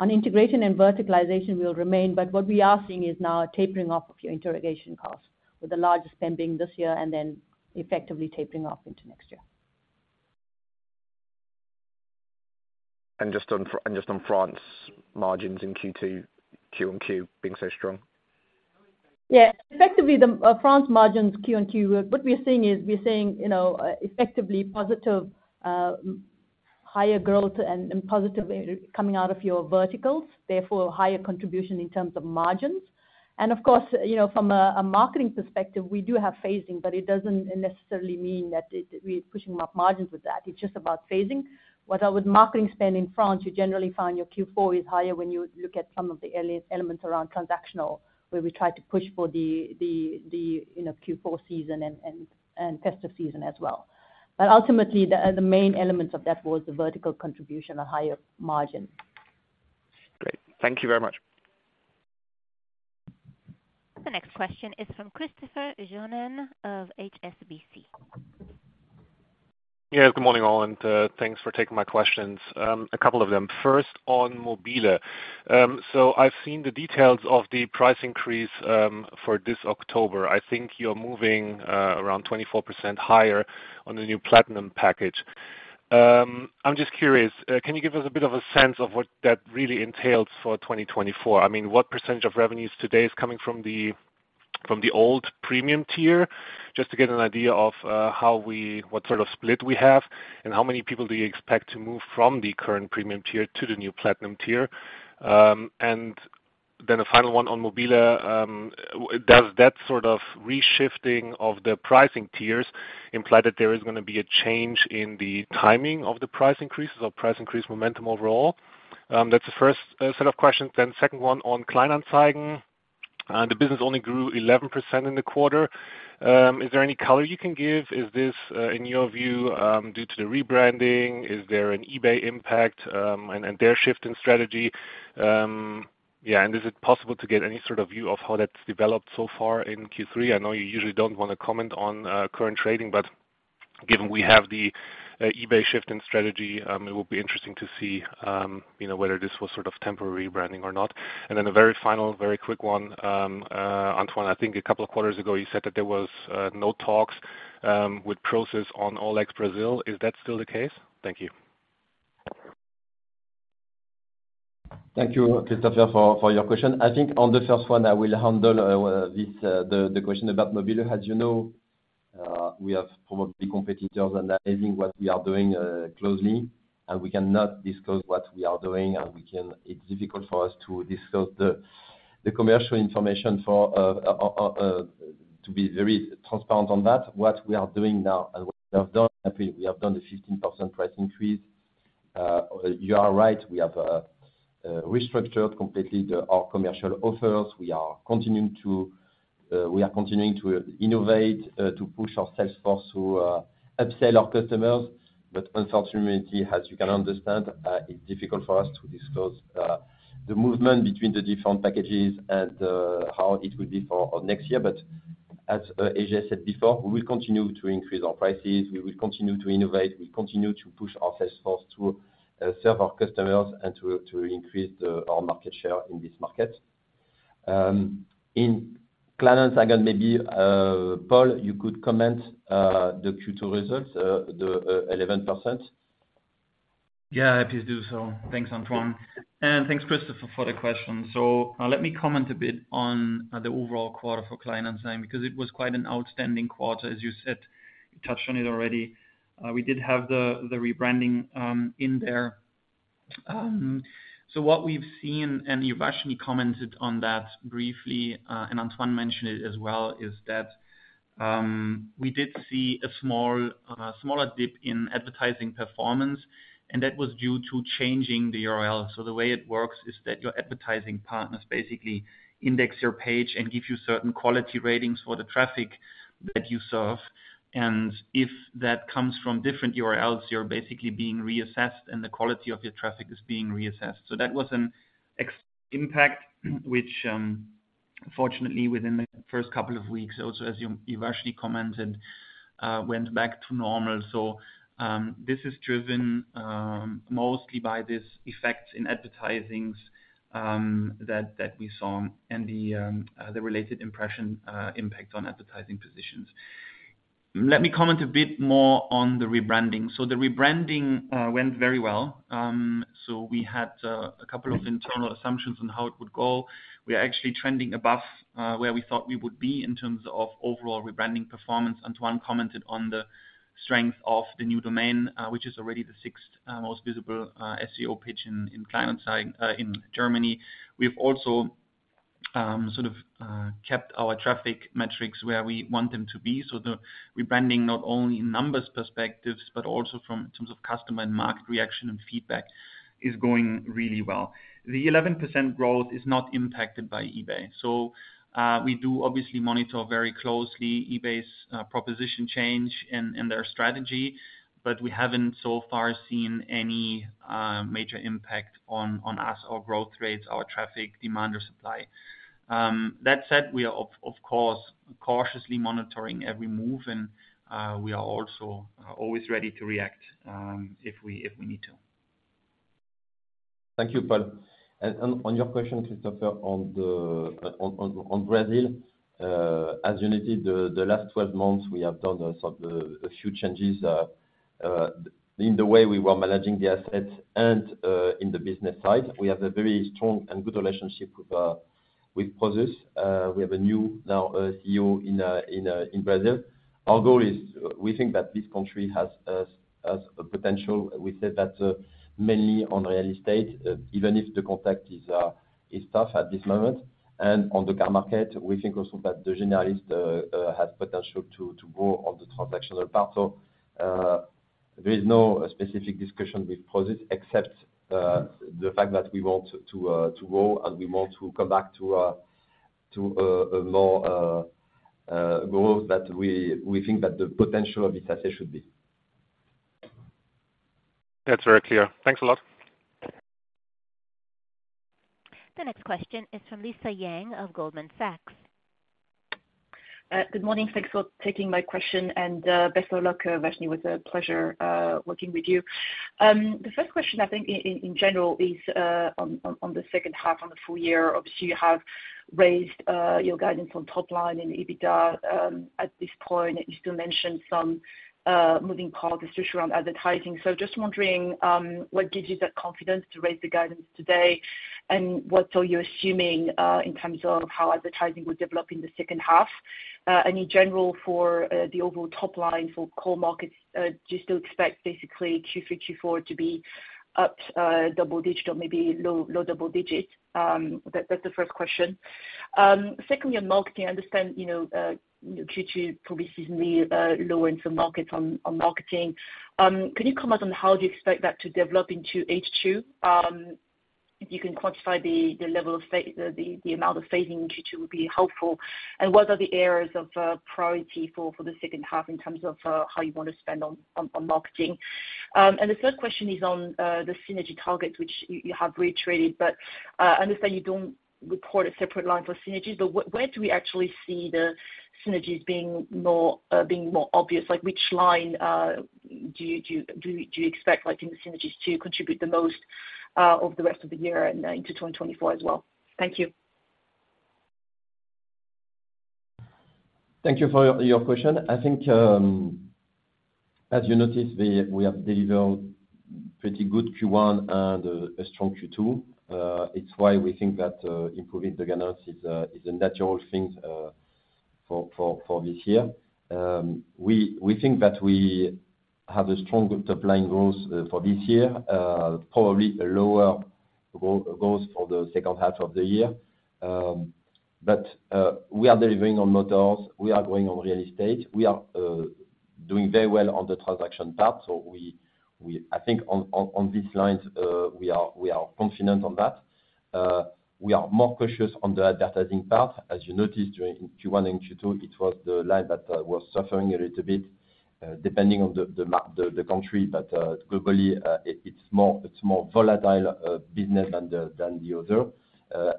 Speaker 3: On integration and verticalization will remain, but what we are seeing is now a tapering off of your integration costs with the largest spend being this year and then effectively tapering off into next year.
Speaker 7: Just on France margins in Q2, Q and Q being so strong.
Speaker 3: Yeah, effectively, the France margins, Q on Q, what we are seeing is we are seeing, you know, effectively positive higher growth and positive coming out of your verticals, therefore higher contribution in terms of margins. And of course, you know, from a marketing perspective, we do have phasing, but it doesn't necessarily mean that it- we're pushing up margins with that. It's just about phasing. With marketing spend in France, you generally find your Q4 is higher when you look at some of the earliest elements around transactional, where we try to push for the, you know, Q4 season and festive season as well. But ultimately, the main elements of that was the vertical contribution, a higher margin.
Speaker 7: Great. Thank you very much.
Speaker 1: The next question is from Christopher Johnen of HSBC.
Speaker 8: Yes, good morning, all, and thanks for taking my questions, a couple of them. First, on Mobile. So I've seen the details of the price increase for this October. I think you're moving around 24% higher on the new platinum package. I'm just curious, can you give us a bit of a sense of what that really entails for 2024? I mean, what percentage of revenues today is coming from the old premium tier? Just to get an idea of what sort of split we have, and how many people do you expect to move from the current premium tier to the new platinum tier. And then a final one on Mobile, does that sort of reshifting of the pricing tiers imply that there is gonna be a change in the timing of the price increases or price increase momentum overall? That's the first set of questions. Then second one, on Kleinanzeigen, the business only grew 11% in the quarter. Is there any color you can give? Is this, in your view, due to the rebranding? Is there an eBay impact, and their shift in strategy? Yeah, and is it possible to get any sort of view of how that's developed so far in Q3? I know you usually don't want to comment on current trading, but given we have the eBay shift in strategy, it will be interesting to see, you know, whether this was sort of temporary rebranding or not. And then a very final, very quick one. Antoine, I think a couple of quarters ago, you said that there was no talks with Prosus on OLX Brasil. Is that still the case? Thank you.
Speaker 2: Thank you, Christopher, for your question. I think on the first one, I will handle this, the question about mobile.de. As you know, we have probably competitors analyzing what we are doing closely, and we cannot discuss what we are doing, and we can, it's difficult for us to discuss the commercial information to be very transparent on that. What we are doing now and what we have done, we have done the 15% price increase. You are right, we have restructured completely our commercial offers. We are continuing to innovate to push our sales force to upsell our customers. But unfortunately, as you can understand, it's difficult for us to discuss the movement between the different packages and how it will be for next year. But as Ajay said before, we will continue to increase our prices, we will continue to innovate, we continue to push our sales force to serve our customers and to increase our market share in this market. In Kleinanzeigen, maybe Paul, you could comment the Q2 results, the 11%.
Speaker 9: Yeah, I please do so. Thanks, Antoine, and thanks, Christopher, for the question. So, let me comment a bit on the overall quarter for Kleinanzeigen, because it was quite an outstanding quarter, as you said. You touched on it already. We did have the rebranding in there. So what we've seen, and Uvashni commented on that briefly, and Antoine mentioned it as well, is that we did see a small smaller dip in advertising performance, and that was due to changing the URL. So the way it works is that your advertising partners basically index your page and give you certain quality ratings for the traffic that you serve. And if that comes from different URLs, you're basically being reassessed, and the quality of your traffic is being reassessed. So that was an FX impact, which, fortunately, within the first couple of weeks, also, as Uvashni commented, went back to normal. So, this is driven, mostly by this effect in advertising, that we saw and the, the related impression, impact on advertising positions. Let me comment a bit more on the rebranding. So the rebranding went very well. So we had, a couple of internal assumptions on how it would go. We are actually trending above, where we thought we would be in terms of overall rebranding performance. Antoine commented on the strength of the new domain, which is already the sixth, most visible, SEO page in Kleinanzeigen, in Germany. We've also... ... sort of, kept our traffic metrics where we want them to be. So the rebranding, not only in numbers perspectives, but also from in terms of customer and market reaction and feedback, is going really well. The 11% growth is not impacted by eBay. So, we do obviously monitor very closely eBay's, proposition change and, and their strategy, but we haven't so far seen any, major impact on, on us, our growth rates, our traffic, demand or supply. That said, we are of, of course, cautiously monitoring every move and, we are also, always ready to react, if we, if we need to.
Speaker 2: Thank you, Paul. And on your question, Christopher, on Brazil, as you noted, the last 12 months, we have done a sort of a few changes in the way we were managing the assets and in the business side. We have a very strong and good relationship with Prosus. We have a new CEO now in Brazil. Our goal is, we think that this country has a potential. We said that mainly on real estate, even if the contact is tough at this moment. And on the car market, we think also that the generalist has potential to grow on the transactional part. There is no specific discussion with Prosus except the fact that we want to grow and we want to come back to a more growth that we think that the potential of this asset should be.
Speaker 8: That's very clear. Thanks a lot.
Speaker 1: The next question is from Lisa Yang of Goldman Sachs.
Speaker 10: Good morning. Thanks for taking my question, and best of luck, Uvashni, was a pleasure working with you. The first question, I think, in general is on the second half, on the full year. Obviously, you have raised your guidance on top line and EBITDA. At this point, you still mentioned some moving parts especially around advertising. So just wondering, what gives you that confidence to raise the guidance today? And what are you assuming in terms of how advertising will develop in the second half? And in general, for the overall top line for core markets, do you still expect basically Q3, Q4 to be up double digit or maybe low double digits? That's the first question. Secondly, on marketing, I understand, you know, Q2 probably seasonally lower in some markets on marketing. Can you comment on how do you expect that to develop into H2? If you can quantify the amount of phasing in Q2 would be helpful. And what are the areas of priority for the second half in terms of how you want to spend on marketing? And the third question is on the synergy targets, which you have reiterated, but I understand you don't report a separate line for synergies, but where do we actually see the synergies being more obvious? Like, which line do you expect, like, in the synergies to contribute the most over the rest of the year and into 2024 as well? Thank you.
Speaker 2: Thank you for your question. I think, as you noticed, we have delivered pretty good Q1 and a strong Q2. It's why we think that improving the guidance is a natural thing for this year. We think that we have a strong top-line growth for this year, probably a lower growth for the second half of the year. But we are delivering on motors, we are growing on real estate. We are doing very well on the transaction part, so I think on this line we are confident on that. We are more cautious on the advertising part. As you noticed, during Q1 and Q2, it was the line that was suffering a little bit, depending on the country. But globally, it's more volatile business than the other.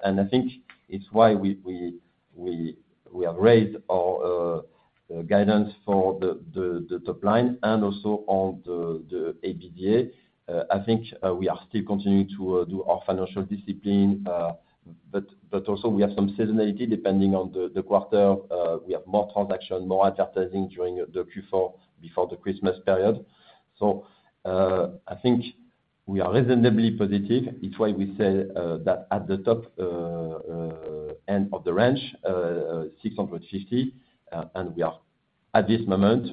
Speaker 2: And I think it's why we have raised our guidance for the top line and also on the EBITDA. I think we are still continuing to do our financial discipline, but also we have some seasonality depending on the quarter. We have more transaction, more advertising during the Q4, before the Christmas period. So I think we are reasonably positive. It's why we say that at the top end of the range, 650, and we are at this moment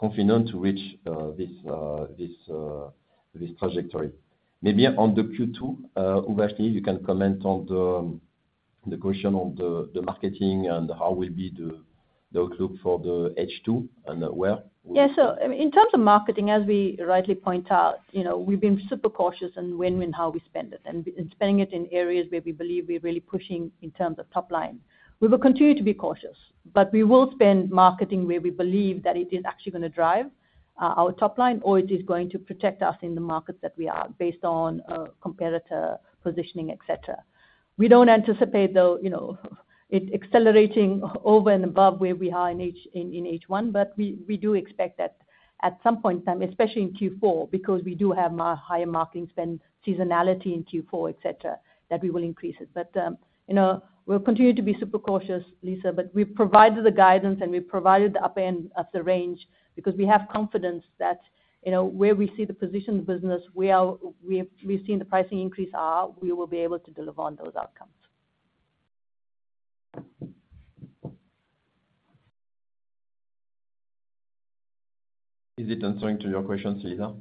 Speaker 2: confident to reach this trajectory. Maybe on the Q2, Uvashni, you can comment on the question on the marketing and how will be the outlook for the H2 and where?
Speaker 3: Yeah. So in terms of marketing, as we rightly point out, you know, we've been super cautious on when and how we spend it, and spending it in areas where we believe we're really pushing in terms of top line. We will continue to be cautious, but we will spend marketing where we believe that it is actually gonna drive our top line, or it is going to protect us in the markets that we are based on competitor positioning, et cetera. We don't anticipate, though, you know, it accelerating over and above where we are in H1, but we do expect that at some point in time, especially in Q4, because we do have higher marketing spend seasonality in Q4, et cetera, that we will increase it.
Speaker 6: But, you know, we'll continue to be super cautious, Lisa, but we've provided the guidance, and we've provided the upper end of the range because we have confidence that, you know, where we see the positioned business, where we've seen the pricing increase are, we will be able to deliver on those outcomes....
Speaker 2: Is it answering to your question, Lisa?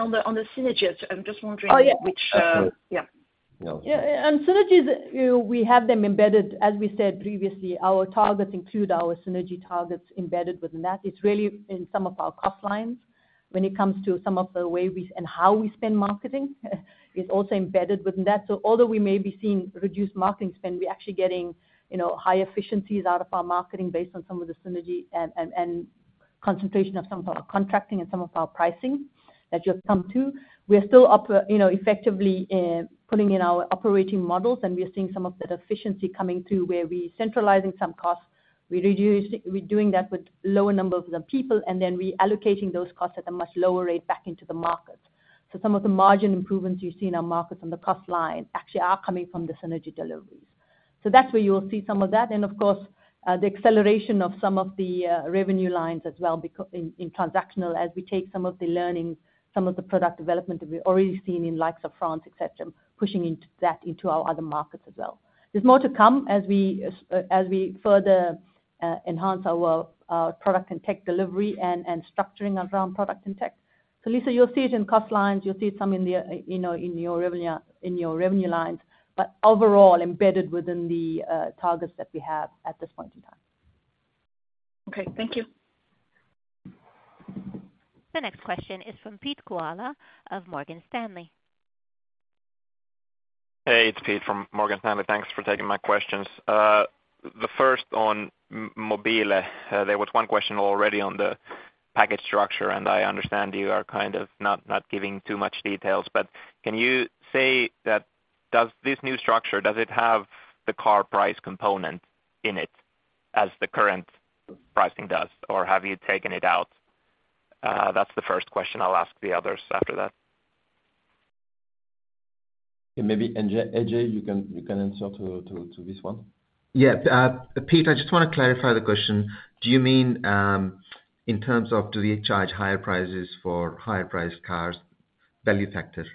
Speaker 10: On the synergies, I'm just wondering-
Speaker 3: Oh, yeah.
Speaker 9: Which, yeah.
Speaker 2: Yeah.
Speaker 3: Yeah, and synergies, we have them embedded. As we said previously, our targets include our synergy targets embedded within that. It's really in some of our cost lines when it comes to some of the way we, and how we spend marketing; it's also embedded within that. So although we may be seeing reduced marketing spend, we're actually getting, you know, high efficiencies out of our marketing based on some of the synergy and concentration of some of our contracting and some of our pricing that you've come to. We are still, you know, effectively pulling in our operating models, and we are seeing some of that efficiency coming through where we're centralizing some costs. We're doing that with lower numbers of people, and then reallocating those costs at a much lower rate back into the market. So some of the margin improvements you've seen in our markets on the cost line actually are coming from the synergy deliveries. So that's where you will see some of that, and of course, the acceleration of some of the revenue lines as well, because in transactional, as we take some of the learnings, some of the product development that we've already seen in likes of France, et cetera, pushing into that, into our other markets as well. There's more to come as we further enhance our product and tech delivery and structuring around product and tech. So Lisa, you'll see it in cost lines, you'll see some in the, you know, in your revenue, in your revenue lines, but overall embedded within the targets that we have at this point in time.
Speaker 10: Okay, thank you.
Speaker 1: The next question is from Pete Kujala of Morgan Stanley.
Speaker 11: Hey, it's Pete from Morgan Stanley. Thanks for taking my questions. The first on Mobile. There was one question already on the package structure, and I understand you are kind of not, not giving too much details, but can you say that, does this new structure, does it have the car price component in it as the current pricing does, or have you taken it out? That's the first question. I'll ask the others after that.
Speaker 2: And maybe Ajay, you can answer to this one.
Speaker 5: Yeah. Pete, I just want to clarify the question. Do you mean, in terms of do we charge higher prices for higher priced cars, value factor?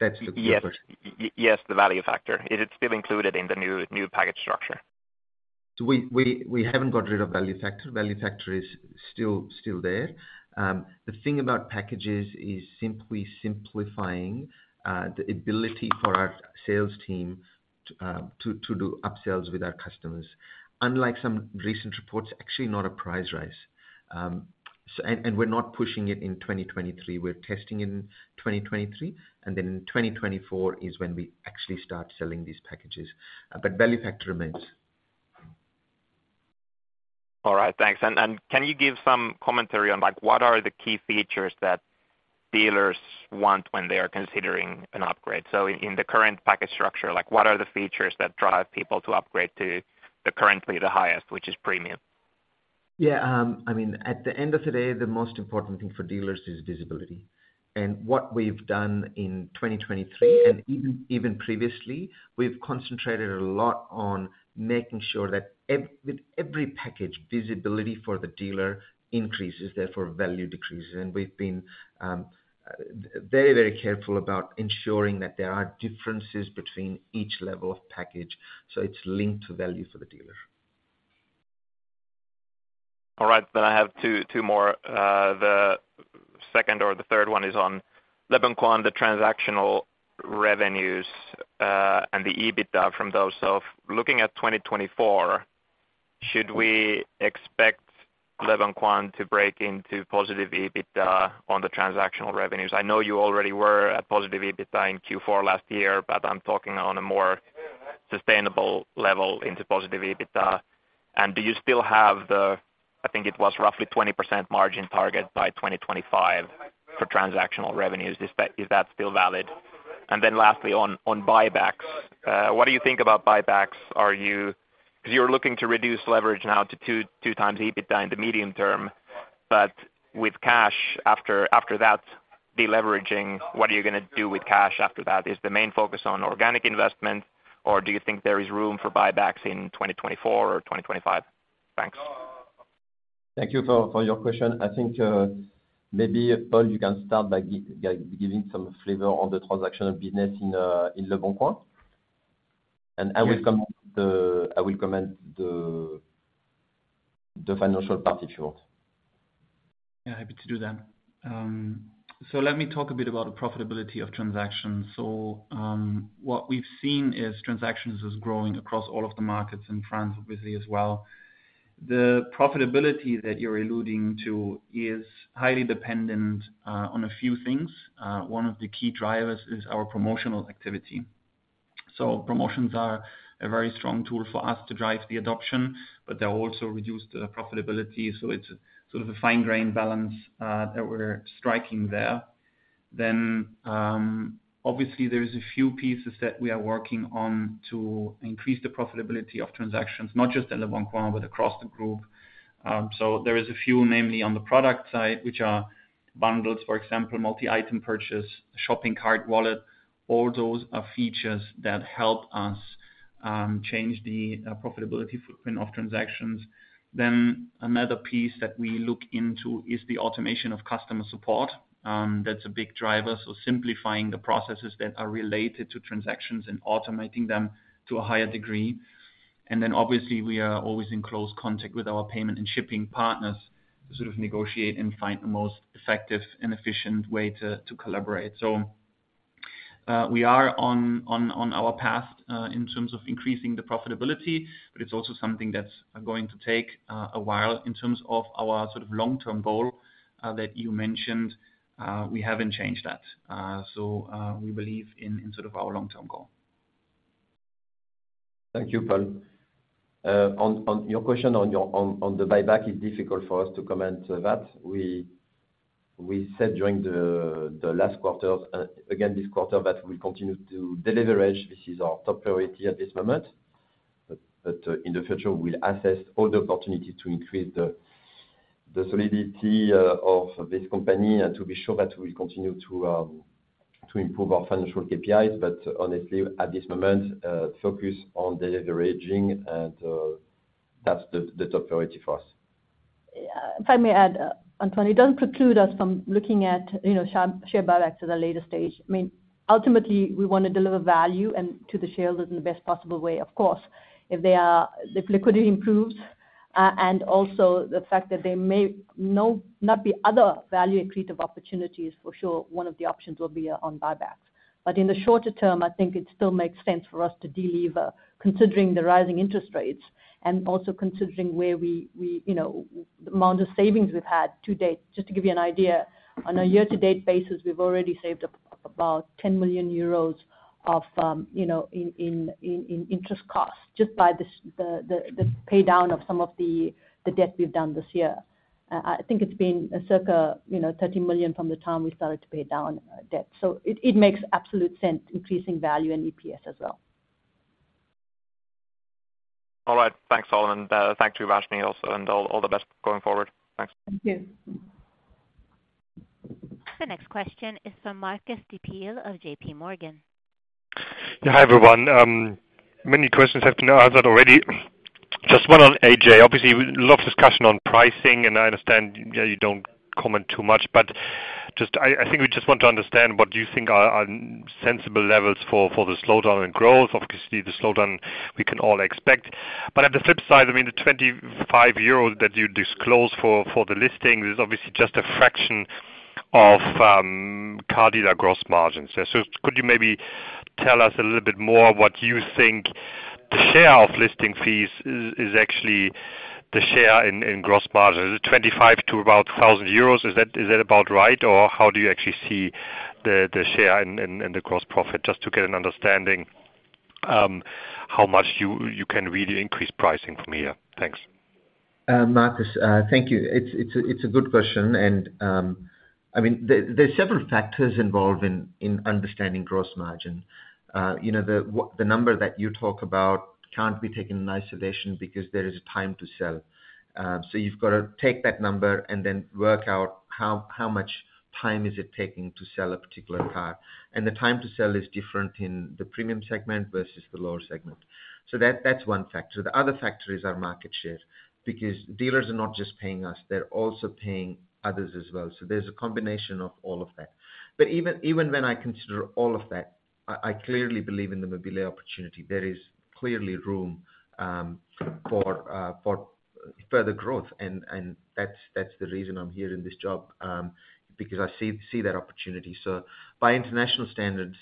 Speaker 5: That's the first-
Speaker 11: Yes, yes, the value factor. Is it still included in the new, new package structure?
Speaker 5: So we haven't got rid of value factor. Value factor is still there. The thing about packages is simply simplifying the ability for our sales team to do upsells with our customers. Unlike some recent reports, actually not a price rise. So we're not pushing it in 2023. We're testing in 2023, and then in 2024 is when we actually start selling these packages. But value factor remains.
Speaker 11: All right, thanks. And can you give some commentary on like, what are the key features that dealers want when they are considering an upgrade? So in the current package structure, like, what are the features that drive people to upgrade to the currently the highest, which is premium?
Speaker 5: Yeah. I mean, at the end of the day, the most important thing for dealers is visibility. And what we've done in 2023, and even previously, we've concentrated a lot on making sure that with every package, visibility for the dealer increases, therefore value decreases. And we've been very careful about ensuring that there are differences between each level of package, so it's linked to value for the dealer.
Speaker 11: All right. Then I have two, two more. The second or the third one is on Leboncoin, the transactional revenues, and the EBITDA from those. So looking at 2024, should we expect Leboncoin to break into positive EBITDA on the transactional revenues? I know you already were at positive EBITDA in Q4 last year, but I'm talking on a more sustainable level into positive EBITDA. And do you still have the, I think it was roughly 20% margin target by 2025 for transactional revenues. Is that, is that still valid? And then lastly, on, on buybacks, what do you think about buybacks? Are you... 'Cause you're looking to reduce leverage now to 2.., 2x EBITDA in the medium term, but with cash, after, after that deleveraging, what are you gonna do with cash after that? Is the main focus on organic investment, or do you think there is room for buybacks in 2024 or 2025? Thanks.
Speaker 2: Thank you for your question. I think, maybe, Paul, you can start by giving some flavor on the transactional business in Leboncoin.
Speaker 9: Yeah.
Speaker 2: I will comment the financial part if you want.
Speaker 9: Yeah, happy to do that. So let me talk a bit about the profitability of transactions. So, what we've seen is transactions is growing across all of the markets in France, obviously, as well. The profitability that you're alluding to is highly dependent on a few things. One of the key drivers is our promotional activity. So promotions are a very strong tool for us to drive the adoption, but they also reduce the profitability, so it's sort of a fine grain balance that we're striking there. Then, obviously, there's a few pieces that we are working on to increase the profitability of transactions, not just in Leboncoin, but across the group. So there is a few, namely, on the product side, which are bundles, for example, multi-item purchase, shopping cart, wallet, all those are features that help us change the profitability footprint of transactions. Then another piece that we look into is the automation of customer support. That's a big driver, so simplifying the processes that are related to transactions and automating them to a higher degree. And then obviously, we are always in close contact with our payment and shipping partners to sort of negotiate and find the most effective and efficient way to collaborate. We are on our path in terms of increasing the profitability, but it's also something that's going to take a while in terms of our sort of long-term goal that you mentioned. We haven't changed that. So, we believe in sort of our long-term goal.
Speaker 2: Thank you, Paul. On your question on the buyback, it's difficult for us to comment to that. We said during the last quarter, again, this quarter, that we continue to deleverage. This is our top priority at this moment. But in the future, we'll assess all the opportunity to increase the solidity of this company and to be sure that we continue to improve our financial KPIs. But honestly, at this moment, focus on the deleveraging and that's the top priority for us.
Speaker 3: If I may add, Antoine, it doesn't preclude us from looking at, you know, share buyback to the later stage. I mean, ultimately, we wanna deliver value to the shareholders in the best possible way. Of course, if liquidity improves, and also the fact that there may not be other value accretive opportunities, for sure, one of the options will be on buybacks. But in the shorter term, I think it still makes sense for us to deliver, considering the rising interest rates, and also considering where we, you know, the amount of savings we've had to date. Just to give you an idea, on a year-to-date basis, we've already saved up about 10 million euros of, you know, in interest costs, just by the pay down of some of the debt we've done this year. I think it's been a circa, you know, 30 million from the time we started to pay down debt. So it makes absolute sense, increasing value and EPS as well.
Speaker 11: All right. Thanks, Paul. Thank you, Uvashni, also, and all the best going forward. Thanks.
Speaker 3: Thank you.
Speaker 1: The next question is from Marcus Diebel of JP Morgan.
Speaker 9: Yeah, hi, everyone. Many questions have been answered already. Just one on Ajay Obviously, a lot of discussion on pricing, and I understand, yeah, you don't comment too much. But just I think we just want to understand what you think are sensible levels for the slowdown in growth. Obviously, the slowdown we can all expect. But on the flip side, I mean, the 25 euros that you disclose for the listing is obviously just a fraction of car dealer gross margins. So could you maybe tell us a little bit more what you think the share of listing fees is actually the share in gross margin? Is it 25 to about 1,000 euros? Is that about right, or how do you actually see the share and the gross profit?
Speaker 12: Just to get an understanding, how much you can really increase pricing from here. Thanks.
Speaker 5: Marcus, thank you. It's a good question, and, I mean, there are several factors involved in understanding gross margin. You know, the number that you talk about can't be taken in isolation because there is a time to sell. So you've got to take that number and then work out how much time is it taking to sell a particular car. And the time to sell is different in the premium segment versus the lower segment. So that's one factor. The other factor is our market share, because dealers are not just paying us, they're also paying others as well. So there's a combination of all of that. But even when I consider all of that, I clearly believe in the Mobile opportunity. There is clearly room for further growth, and that's the reason I'm here in this job, because I see that opportunity. So by international standards,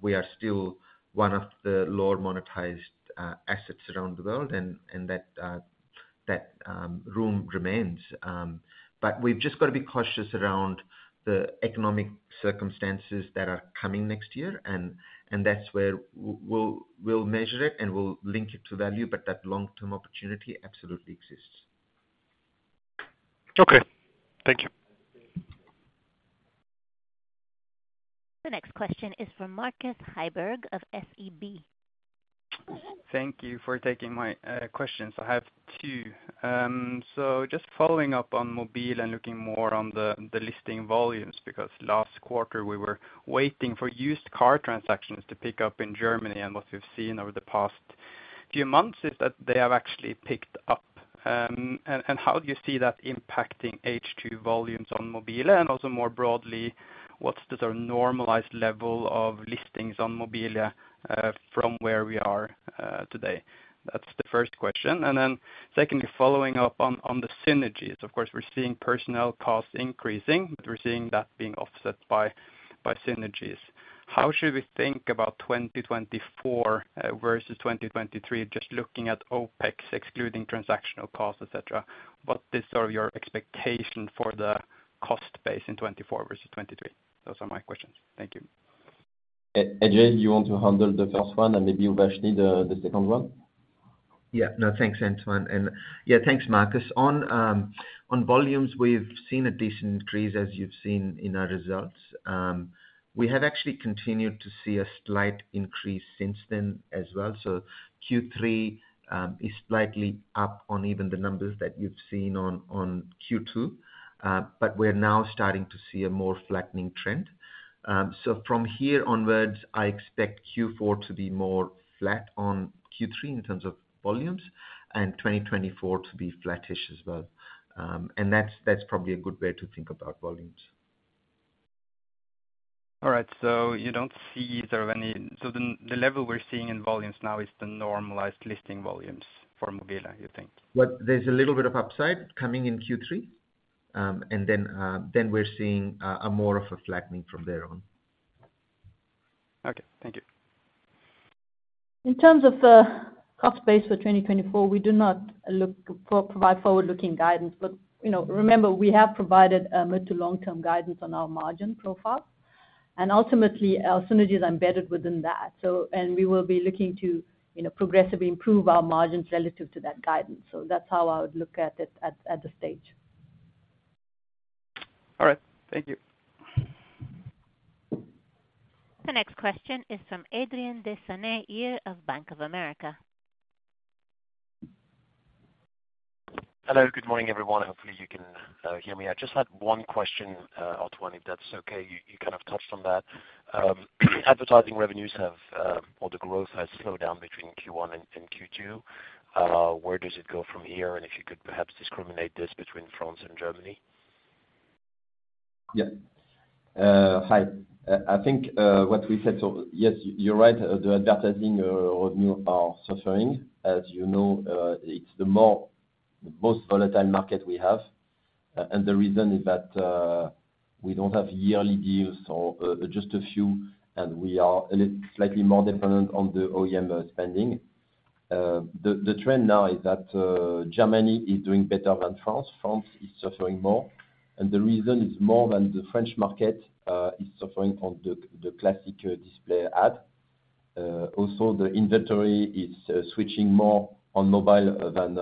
Speaker 5: we are still one of the lower monetized assets around the world, and that room remains. But we've just got to be cautious around the economic circumstances that are coming next year, and that's where we'll measure it, and we'll link it to value, but that long-term opportunity absolutely exists.
Speaker 12: Okay. Thank you.
Speaker 1: The next question is from Markus Heiberg of SEB.
Speaker 13: Thank you for taking my questions. I have two. So just following up on Mobile and looking more on the listing volumes, because last quarter we were waiting for used car transactions to pick up in Germany. And what we've seen over the past few months is that they have actually picked up. And how do you see that impacting H2 volumes on Mobile? And also, more broadly, what's the sort of normalized level of listings on Mobile from where we are today? That's the first question. And then secondly, following up on the synergies. Of course, we're seeing personnel costs increasing, but we're seeing that being offset by synergies. How should we think about 2024 versus 2023, just looking at OpEx, excluding transactional costs, et cetera, what is sort of your expectation for the cost base in 2024 versus 2023? Those are my questions. Thank you.
Speaker 2: Ajay, do you want to handle the first one and maybe Uvashni the second one?
Speaker 5: Yeah. No, thanks, Antoine. And yeah, thanks, Markus. On volumes, we've seen a decent increase, as you've seen in our results. We have actually continued to see a slight increase since then as well. So Q3 is slightly up on even the numbers that you've seen on Q2, but we're now starting to see a more flattening trend. So from here onwards, I expect Q4 to be more flat on Q3 in terms of volumes, and 2024 to be flattish as well. And that's, that's probably a good way to think about volumes.
Speaker 13: All right. So you don't see sort of any... So the level we're seeing in volumes now is the normalized listing volumes for Mobile, you think?
Speaker 5: Well, there's a little bit of upside coming in Q3....
Speaker 2: And then we're seeing a more of a flattening from there on.
Speaker 13: Okay, thank you.
Speaker 3: In terms of the cost base for 2024, we do not provide forward-looking guidance, but, you know, remember, we have provided a mid-to-long term guidance on our margin profile. Ultimately, our synergy is embedded within that. So we will be looking to, you know, progressively improve our margins relative to that guidance. So that's how I would look at it at this stage.
Speaker 13: All right. Thank you.
Speaker 1: The next question is from Adrien de Saintignon of Bank of America.
Speaker 14: Hello, good morning, everyone. Hopefully, you can hear me. I just had one question, Antoine, if that's okay, you, you kind of touched on that. Advertising revenues have, or the growth has slowed down between Q1 and Q2. Where does it go from here? And if you could perhaps discriminate this between France and Germany.
Speaker 2: Yeah. Hi. I think what we said so— Yes, you're right, the advertising revenue are suffering. As you know, it's the more, the most volatile market we have. And the reason is that, we don't have yearly deals or, just a few, and we are a little slightly more dependent on the OEM spending. The trend now is that, Germany is doing better than France. France is suffering more, and the reason is more than the French market, is suffering on the, the classic, display ad. Also, the inventory is switching more on mobile than,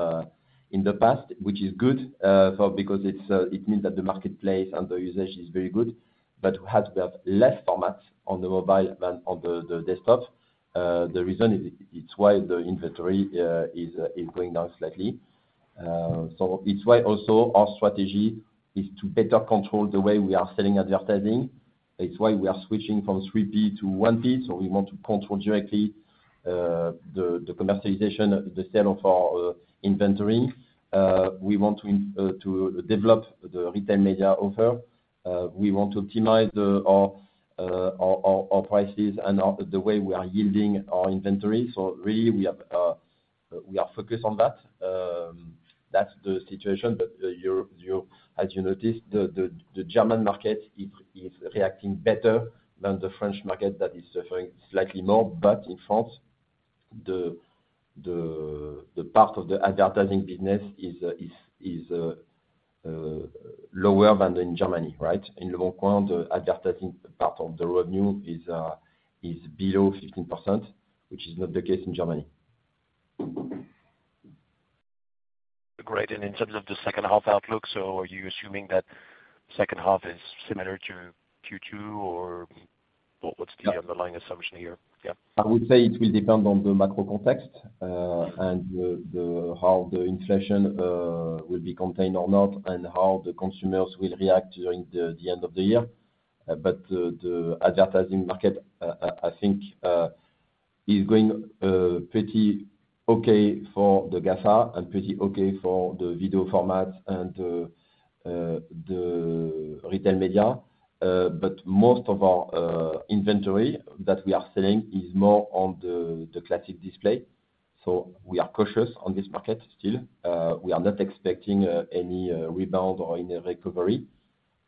Speaker 2: in the past, which is good, for because it's, it means that the marketplace and the usage is very good, but has to have less format on the mobile than on the, the desktop. The reason is, it's why the inventory is going down slightly. So it's why also our strategy is to better control the way we are selling advertising. It's why we are switching from 3P to 1P. So we want to control directly the commercialization, the sale of our inventory. We want to develop the retail media offer. We want to optimize our prices and the way we are yielding our inventory. So really, we are focused on that. That's the situation. But, as you noticed, the German market is reacting better than the French market. That is suffering slightly more, but in France, the part of the advertising business is lower than in Germany, right? In Leboncoin, the advertising part of the revenue is below 15%, which is not the case in Germany.
Speaker 14: Great. And in terms of the second half outlook, so are you assuming that second half is similar to Q2, or what, what's the underlying assumption here? Yeah.
Speaker 2: I would say it will depend on the macro context, and the how the inflation will be contained or not, and how the consumers will react during the end of the year. But the advertising market, I think, is going pretty okay for the GAFA and pretty okay for the video format and the retail media. But most of our inventory that we are selling is more on the classic display, so we are cautious on this market still. We are not expecting any rebound or any recovery.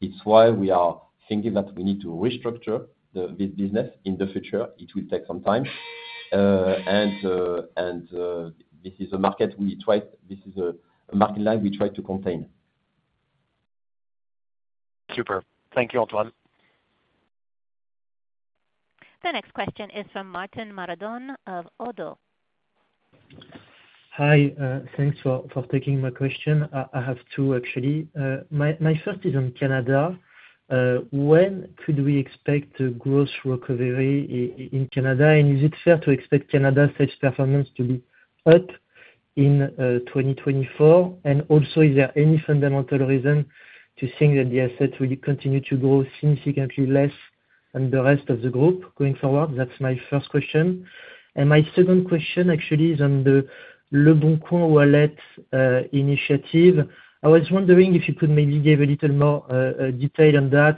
Speaker 2: It's why we are thinking that we need to restructure this business in the future. It will take some time. And this is a market line we try to contain.
Speaker 14: Super. Thank you, Antoine.
Speaker 1: The next question is from Martin Marandon of Oddo.
Speaker 15: Hi, thanks for taking my question. I have two, actually. My first is on Canada. When could we expect a growth recovery in Canada? And is it fair to expect Canada such performance to be up in 2024? And also, is there any fundamental reason to think that the assets will continue to grow significantly less than the rest of the group going forward? That's my first question. And my second question actually is on the Leboncoin Wallet initiative. I was wondering if you could maybe give a little more detail on that.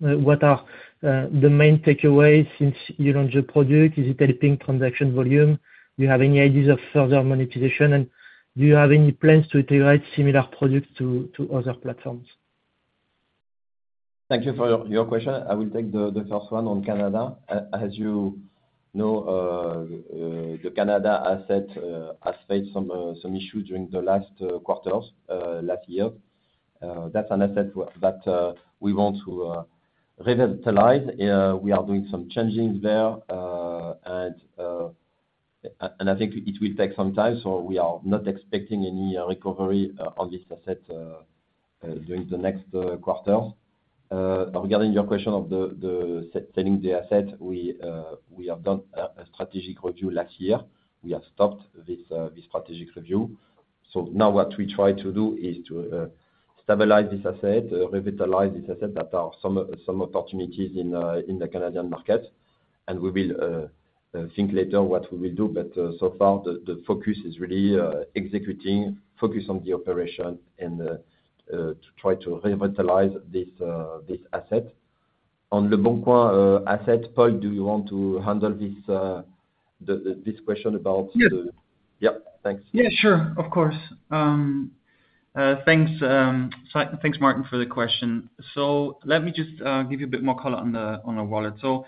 Speaker 15: What are the main takeaways since you launched the product? Is it helping transaction volume? Do you have any ideas of further monetization, and do you have any plans to integrate similar products to other platforms?
Speaker 2: Thank you for your question. I will take the first one on Canada. As you know, the Canada asset has faced some issues during the last quarters last year. That's an asset that we want to revitalize. We are doing some changes there, and I think it will take some time, so we are not expecting any recovery on this asset during the next quarter. Regarding your question of the selling the asset, we have done a strategic review last year. We have stopped this strategic review. So now what we try to do is to stabilize this asset, revitalize this asset that there are some opportunities in the Canadian market, and we will think later what we will do. But so far, the focus is really executing, focus on the operation and to try to revitalize this asset on the Leboncoin asset. Paul, do you want to handle this, the this question about the-
Speaker 9: Yes.
Speaker 2: Yep, thanks.
Speaker 9: Yeah, sure. Of course. Thanks, so thanks, Martin, for the question. So let me just give you a bit more color on the wallet. So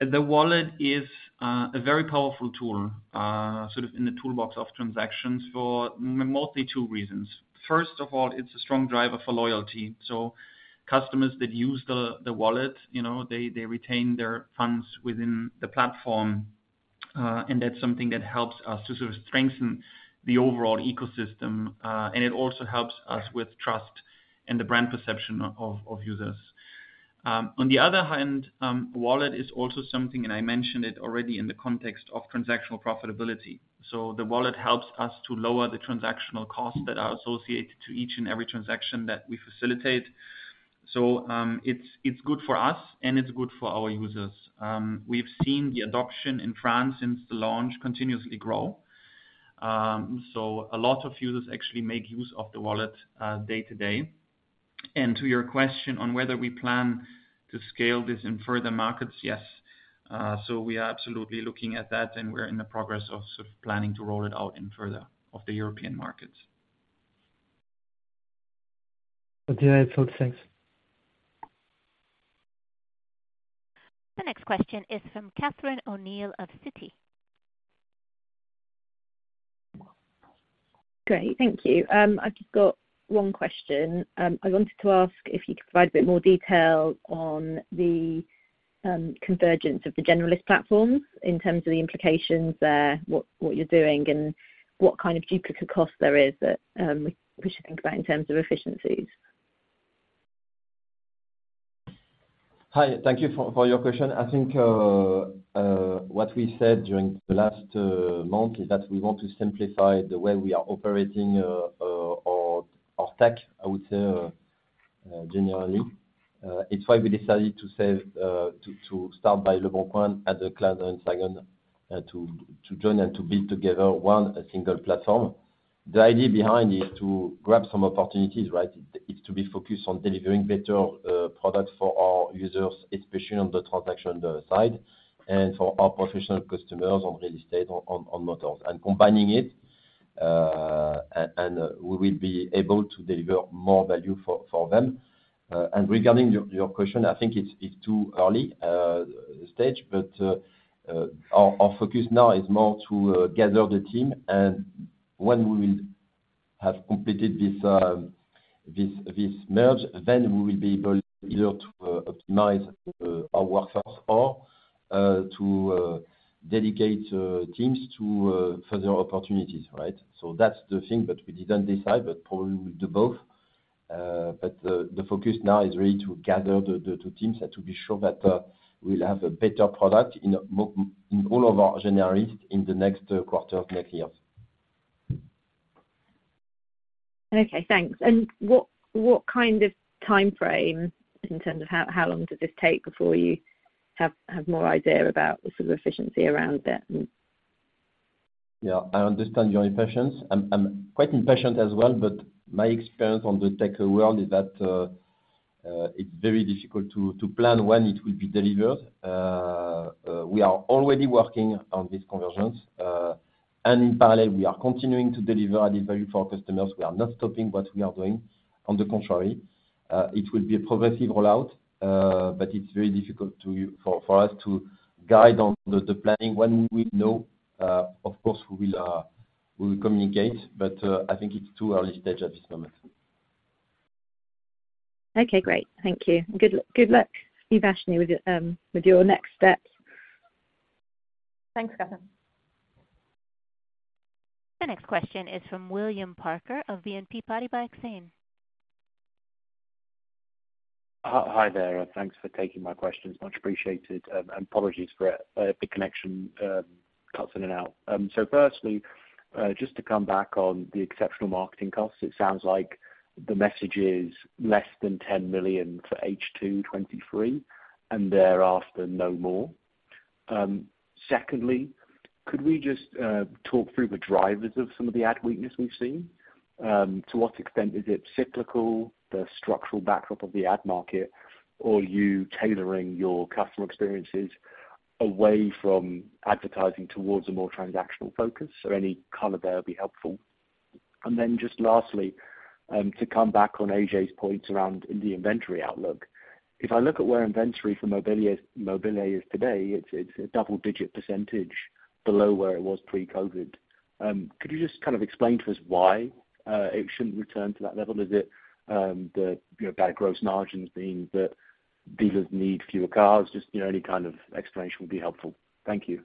Speaker 9: the Wallet is a very powerful tool, sort of in the toolbox of transactions for mostly two reasons. First of all, it's a strong driver for loyalty. So customers that use the Wallet, you know, they retain their funds within the platform. And that's something that helps us to sort of strengthen the overall ecosystem, and it also helps us with trust and the brand perception of users. On the other hand, Wallet is also something, and I mentioned it already in the context of transactional profitability. So the Wallet helps us to lower the transactional costs that are associated to each and every transaction that we facilitate. So, it's good for us, and it's good for our users. We've seen the adoption in France since the launch continuously grow. So a lot of users actually make use of the wallet day to day. And to your question on whether we plan to scale this in further markets, yes. So we are absolutely looking at that, and we're in the progress of sort of planning to roll it out in further of the European markets.
Speaker 15: Okay, that's all. Thanks.
Speaker 1: The next question is from Catherine O'Neill of Citi.
Speaker 16: Great. Thank you. I've just got one question. I wanted to ask if you could provide a bit more detail on the convergence of the generalist platforms in terms of the implications there, what you're doing, and what kind of duplicate cost there is that we should think about in terms of efficiencies?
Speaker 2: Hi, thank you for your question. I think what we said during the last month is that we want to simplify the way we are operating our tech, I would say, generally. It's why we decided to sell to start by Leboncoin to join and to build together one a single platform. The idea behind it to grab some opportunities, right? It's to be focused on delivering better products for our users, especially on the transaction side, and for our professional customers on real estate, on motors. And combining it, and we will be able to deliver more value for them. Regarding your question, I think it's too early stage, but our focus now is more to gather the team. When we will have completed this merge, then we will be able either to optimize our workforce or to dedicate teams to further opportunities, right? So that's the thing that we didn't decide, but probably we'll do both. But the focus now is really to gather the two teams and to be sure that we'll have a better product in all of our generates in the next quarter of next year.
Speaker 16: Okay, thanks. What kind of timeframe in terms of how long does this take before you have more idea about the sort of efficiency around it?
Speaker 2: Yeah, I understand your impatience. I'm quite impatient as well, but my experience on the tech world is that it's very difficult to plan when it will be delivered. We are already working on this convergence, and in parallel, we are continuing to deliver added value for our customers. We are not stopping what we are doing. On the contrary, it will be a progressive rollout, but it's very difficult for us to guide on the planning. When we know, of course, we will communicate, but I think it's too early stage at this moment.
Speaker 16: Okay, great. Thank you. Good, good luck, Uvashni, with your, with your next steps.
Speaker 3: Thanks, Catherine.
Speaker 1: The next question is from William Packer of BNP Paribas Exane.
Speaker 17: Hi, hi there, and thanks for taking my questions. Much appreciated, and apologies for the connection cuts in and out. So firstly, just to come back on the exceptional marketing costs, it sounds like the message is less than 10 million for H2 2023, and thereafter, no more. Secondly, could we just talk through the drivers of some of the ad weakness we've seen? To what extent is it cyclical, the structural backdrop of the ad market, or you tailoring your customer experiences away from advertising towards a more transactional focus? So any color there would be helpful. Then just lastly, to come back on Ajay's point around the inventory outlook. If I look at where inventory for mobile.de, mobile.de is today, it's a double-digit % below where it was pre-COVID. Could you just kind of explain to us why it shouldn't return to that level? Is it, you know, bad gross margins being that dealers need fewer cars? Just, you know, any kind of explanation would be helpful. Thank you.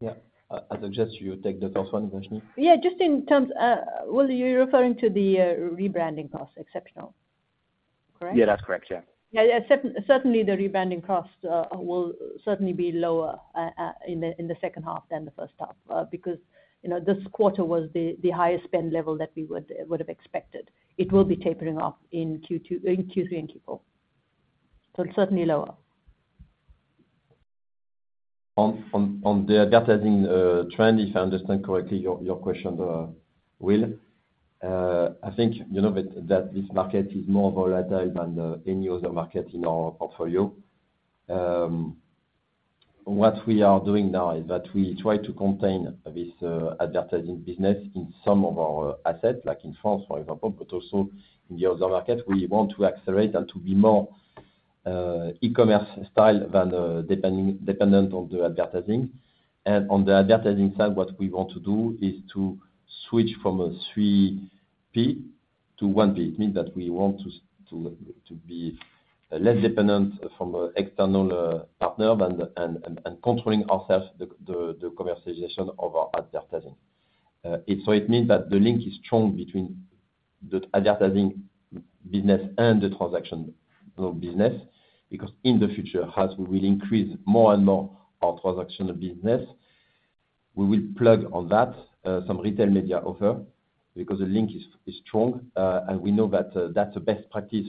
Speaker 2: Yeah. I suggest you take the first one, Uvashni.
Speaker 3: Yeah, just in terms, Will, you're referring to the rebranding cost exceptional, correct?
Speaker 17: Yeah, that's correct. Yeah.
Speaker 3: Yeah, yeah. Certainly the rebranding cost will certainly be lower in the second half than the first half because, you know, this quarter was the highest spend level that we would have expected. It will be tapering off in Q2, in Q3 and Q4. So it's certainly lower.
Speaker 2: On the advertising trend, if I understand correctly, your question, Will, I think you know that this market is more volatile than any other market in our portfolio. What we are doing now is that we try to contain this advertising business in some of our assets, like in France, for example, but also in the other markets. We want to accelerate and to be more e-commerce style than dependent on the advertising. And on the advertising side, what we want to do is to switch from a three P to one P. It means that we want to be less dependent from an external partner than and controlling ourselves, the commercialization of our advertising. And so it means that the link is strong between the advertising business and the transactional business, because in the future, as we will increase more and more our transactional business, we will plug on that some retail media offer, because the link is strong. And we know that that's a best practice.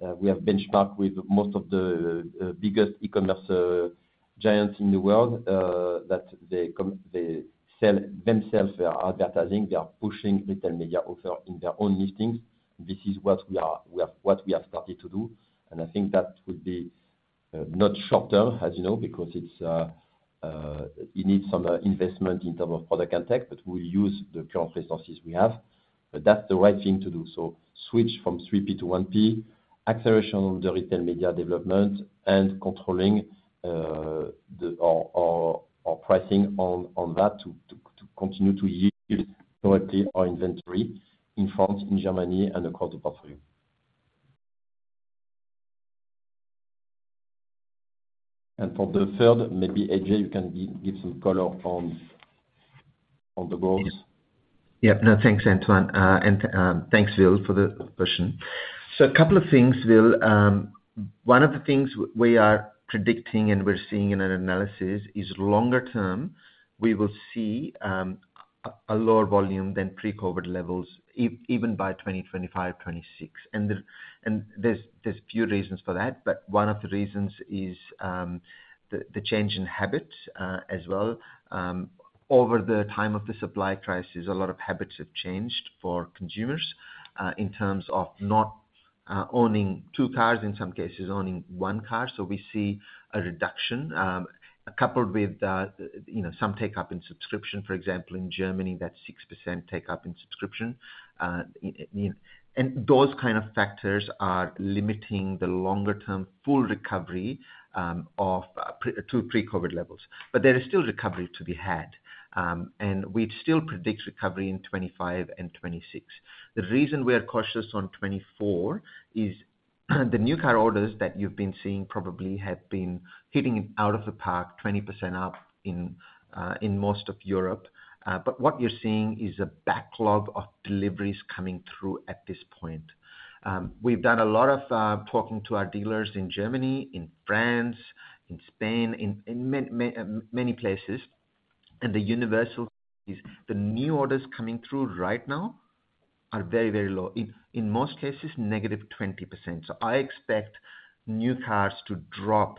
Speaker 2: We have benchmarked with most of the biggest e-commerce giants in the world that they sell themselves their advertising. They are pushing retail media offer in their own listings. This is what we have what we have started to do, and I think that will be not short term, as you know, because it needs some investment in terms of product and tech, but we'll use the current resources we have. But that's the right thing to do. So switch from 3P to 1P, acceleration on the retail media development, and controlling our pricing on that to continue to use correctly our inventory in France, in Germany, and across the portfolio. And for the third, maybe, Ajay, you can give some color on the goals.
Speaker 5: Yeah. No, thanks, Antoine. And thanks, Will, for the question. So a couple of things, Will. One of the things we are predicting and we're seeing in our analysis is longer term, we will see a lower volume than pre-COVID levels even by 2025, 2026. And there's a few reasons for that, but one of the reasons is the change in habits as well. Over the time of the supply crisis, a lot of habits have changed for consumers in terms of not owning two cars, in some cases, owning one car. So we see a reduction coupled with you know, some take up in subscription. For example, in Germany, that's 6% take up in subscription. Those kind of factors are limiting the longer term full recovery of pre-COVID levels. But there is still recovery to be had, and we still predict recovery in 2025 and 2026. The reason we are cautious on 2024 is, the new car orders that you've been seeing probably have been hitting it out of the park, 20% up in most of Europe. But what you're seeing is a backlog of deliveries coming through at this point. We've done a lot of talking to our dealers in Germany, in France, in Spain, in many places, and the universal is the new orders coming through right now are very, very low. In most cases, -20%. So I expect new cars to drop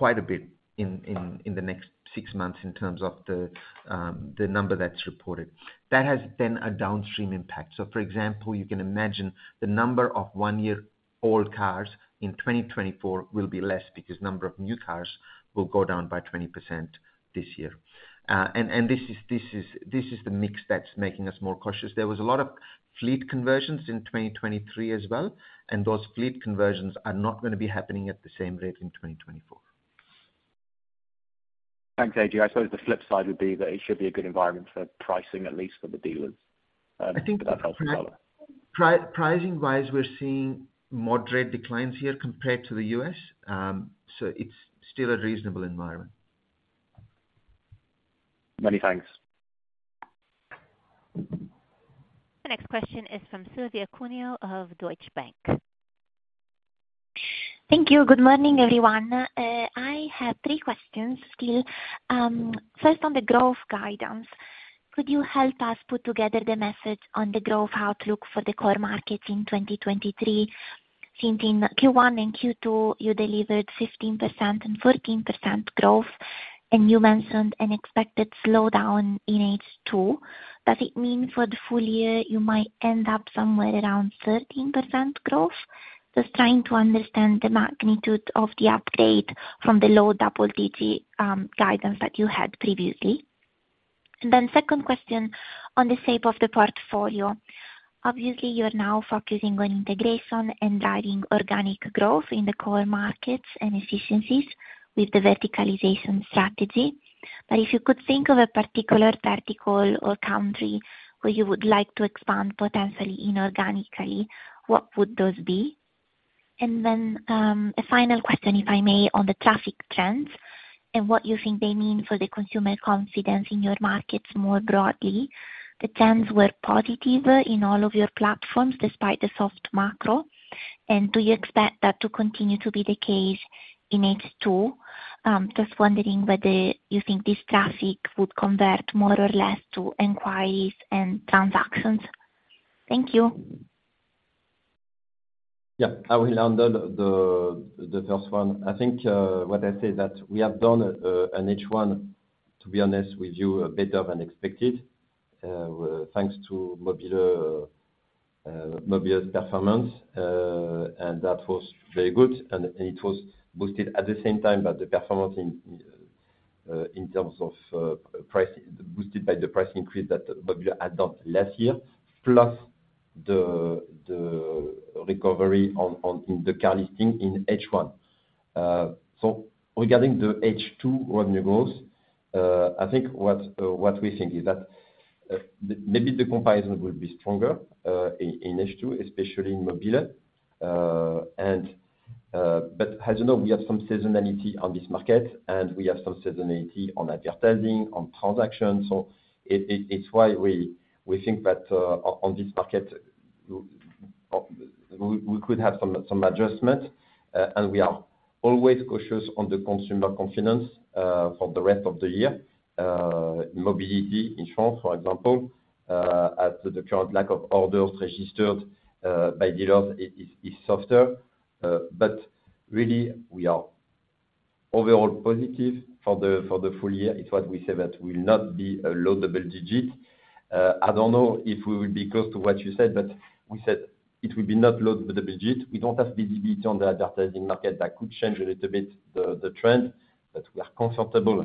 Speaker 5: quite a bit in the next six months in terms of the number that's reported. That has then a downstream impact. So for example, you can imagine the number of one-year-old cars in 2024 will be less, because number of new cars will go down by 20% this year. And this is the mix that's making us more cautious. There was a lot of fleet conversions in 2023 as well, and those fleet conversions are not gonna be happening at the same rate in 2024.
Speaker 17: Thanks, Ajay. I suppose the flip side would be that it should be a good environment for pricing, at least for the dealers. But that helps as well.
Speaker 5: Pricing-wise, we're seeing moderate declines here compared to the U.S., so it's still a reasonable environment.
Speaker 17: Many thanks.
Speaker 1: The next question is from Silvia Cuneo of Deutsche Bank.
Speaker 18: Thank you. Good morning, everyone. I have three questions still. First, on the growth guidance, could you help us put together the message on the growth outlook for the core markets in 2023? It seemed in Q1 and Q2, you delivered 15% and 14% growth, and you mentioned an expected slowdown in H2. Does it mean for the full year, you might end up somewhere around 13% growth? Just trying to understand the magnitude of the upgrade from the low double-digit guidance that you had previously. And then second question on the shape of the portfolio. Obviously, you're now focusing on integration and driving organic growth in the core markets and efficiencies with the verticalization strategy. But if you could think of a particular vertical or country where you would like to expand, potentially inorganically, what would those be? And then, a final question, if I may, on the traffic trends, and what you think they mean for the consumer confidence in your markets more broadly. The trends were positive in all of your platforms, despite the soft macro, and do you expect that to continue to be the case in H2? Just wondering whether you think this traffic would convert more or less to inquiries and transactions. Thank you....
Speaker 2: Yeah, I will handle the first one. I think what I say that we have done in H1, to be honest with you, better than expected, thanks to Mobile's performance. And that was very good, and it was boosted at the same time by the performance in terms of price, boosted by the price increase that Mobile adopted last year, plus the recovery in the car listing in H1. So regarding the H2 revenue growth, I think what we think is that maybe the comparison will be stronger in H2, especially in Mobile. But as you know, we have some seasonality on this market, and we have some seasonality on advertising, on transactions, so it's why we think that, on this market, we could have some adjustment. We are always cautious on the consumer confidence for the rest of the year. Mobility in France, for example, as the current lack of orders registered by dealers is softer. But really we are overall positive for the full year. It's what we say, that will not be a low double digit. I don't know if we will be close to what you said, but we said it will be not low double digit. We don't have visibility on the advertising market. That could change a little bit, the trend, but we are comfortable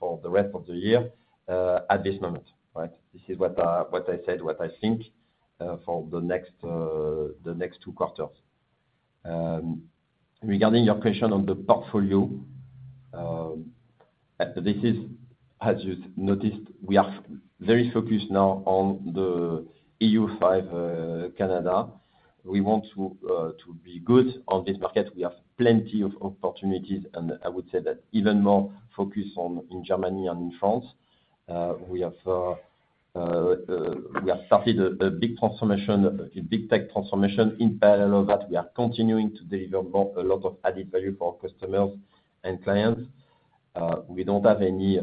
Speaker 2: for the rest of the year at this moment, right? This is what I said, what I think for the next two quarters. Regarding your question on the portfolio, this is, as you've noticed, we are very focused now on the EU five, Canada. We want to be good on this market. We have plenty of opportunities, and I would say that even more focused on in Germany and in France. We have started a big transformation, a big tech transformation. In parallel of that, we are continuing to deliver a lot of added value for our customers and clients. We don't have any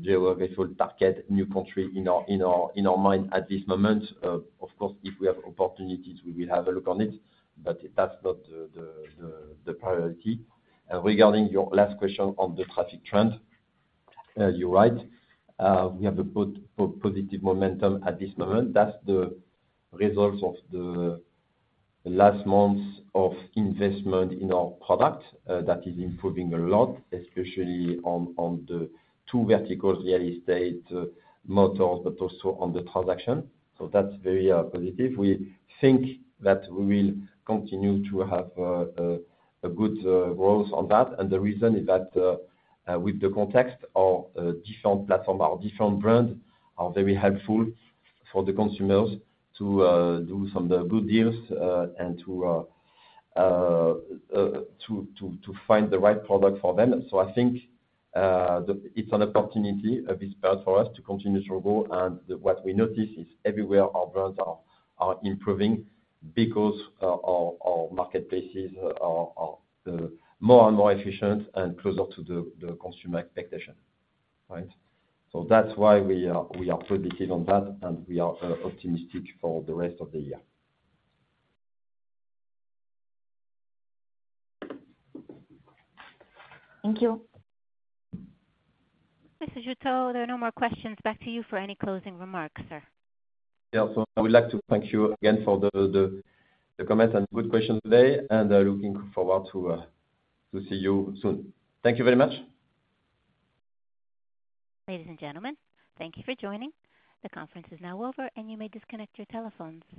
Speaker 2: geographical target, new country in our mind at this moment. Of course, if we have opportunities, we will have a look on it, but that's not the priority. Regarding your last question on the traffic trend, you're right. We have a good, positive momentum at this moment. That's the results of the last months of investment in our product. That is improving a lot, especially on the two verticals, real estate, mobility, but also on the transaction. So that's very positive. We think that we will continue to have a good growth on that. The reason is that with the context of different platform or different brand are very helpful for the consumers to do some of the good deals and to find the right product for them. So I think it's an opportunity of this part for us to continue to grow. What we notice is everywhere our brands are improving because our marketplaces are more and more efficient and closer to the consumer expectation, right? So that's why we are pretty busy on that, and we are optimistic for the rest of the year.
Speaker 18: Thank you.
Speaker 1: Mr. Jouteau, there are no more questions. Back to you for any closing remarks, sir.
Speaker 2: Yeah. So I would like to thank you again for the comments and good questions today, and looking forward to see you soon. Thank you very much.
Speaker 1: Ladies and gentlemen, thank you for joining. The conference is now over, and you may disconnect your telephones.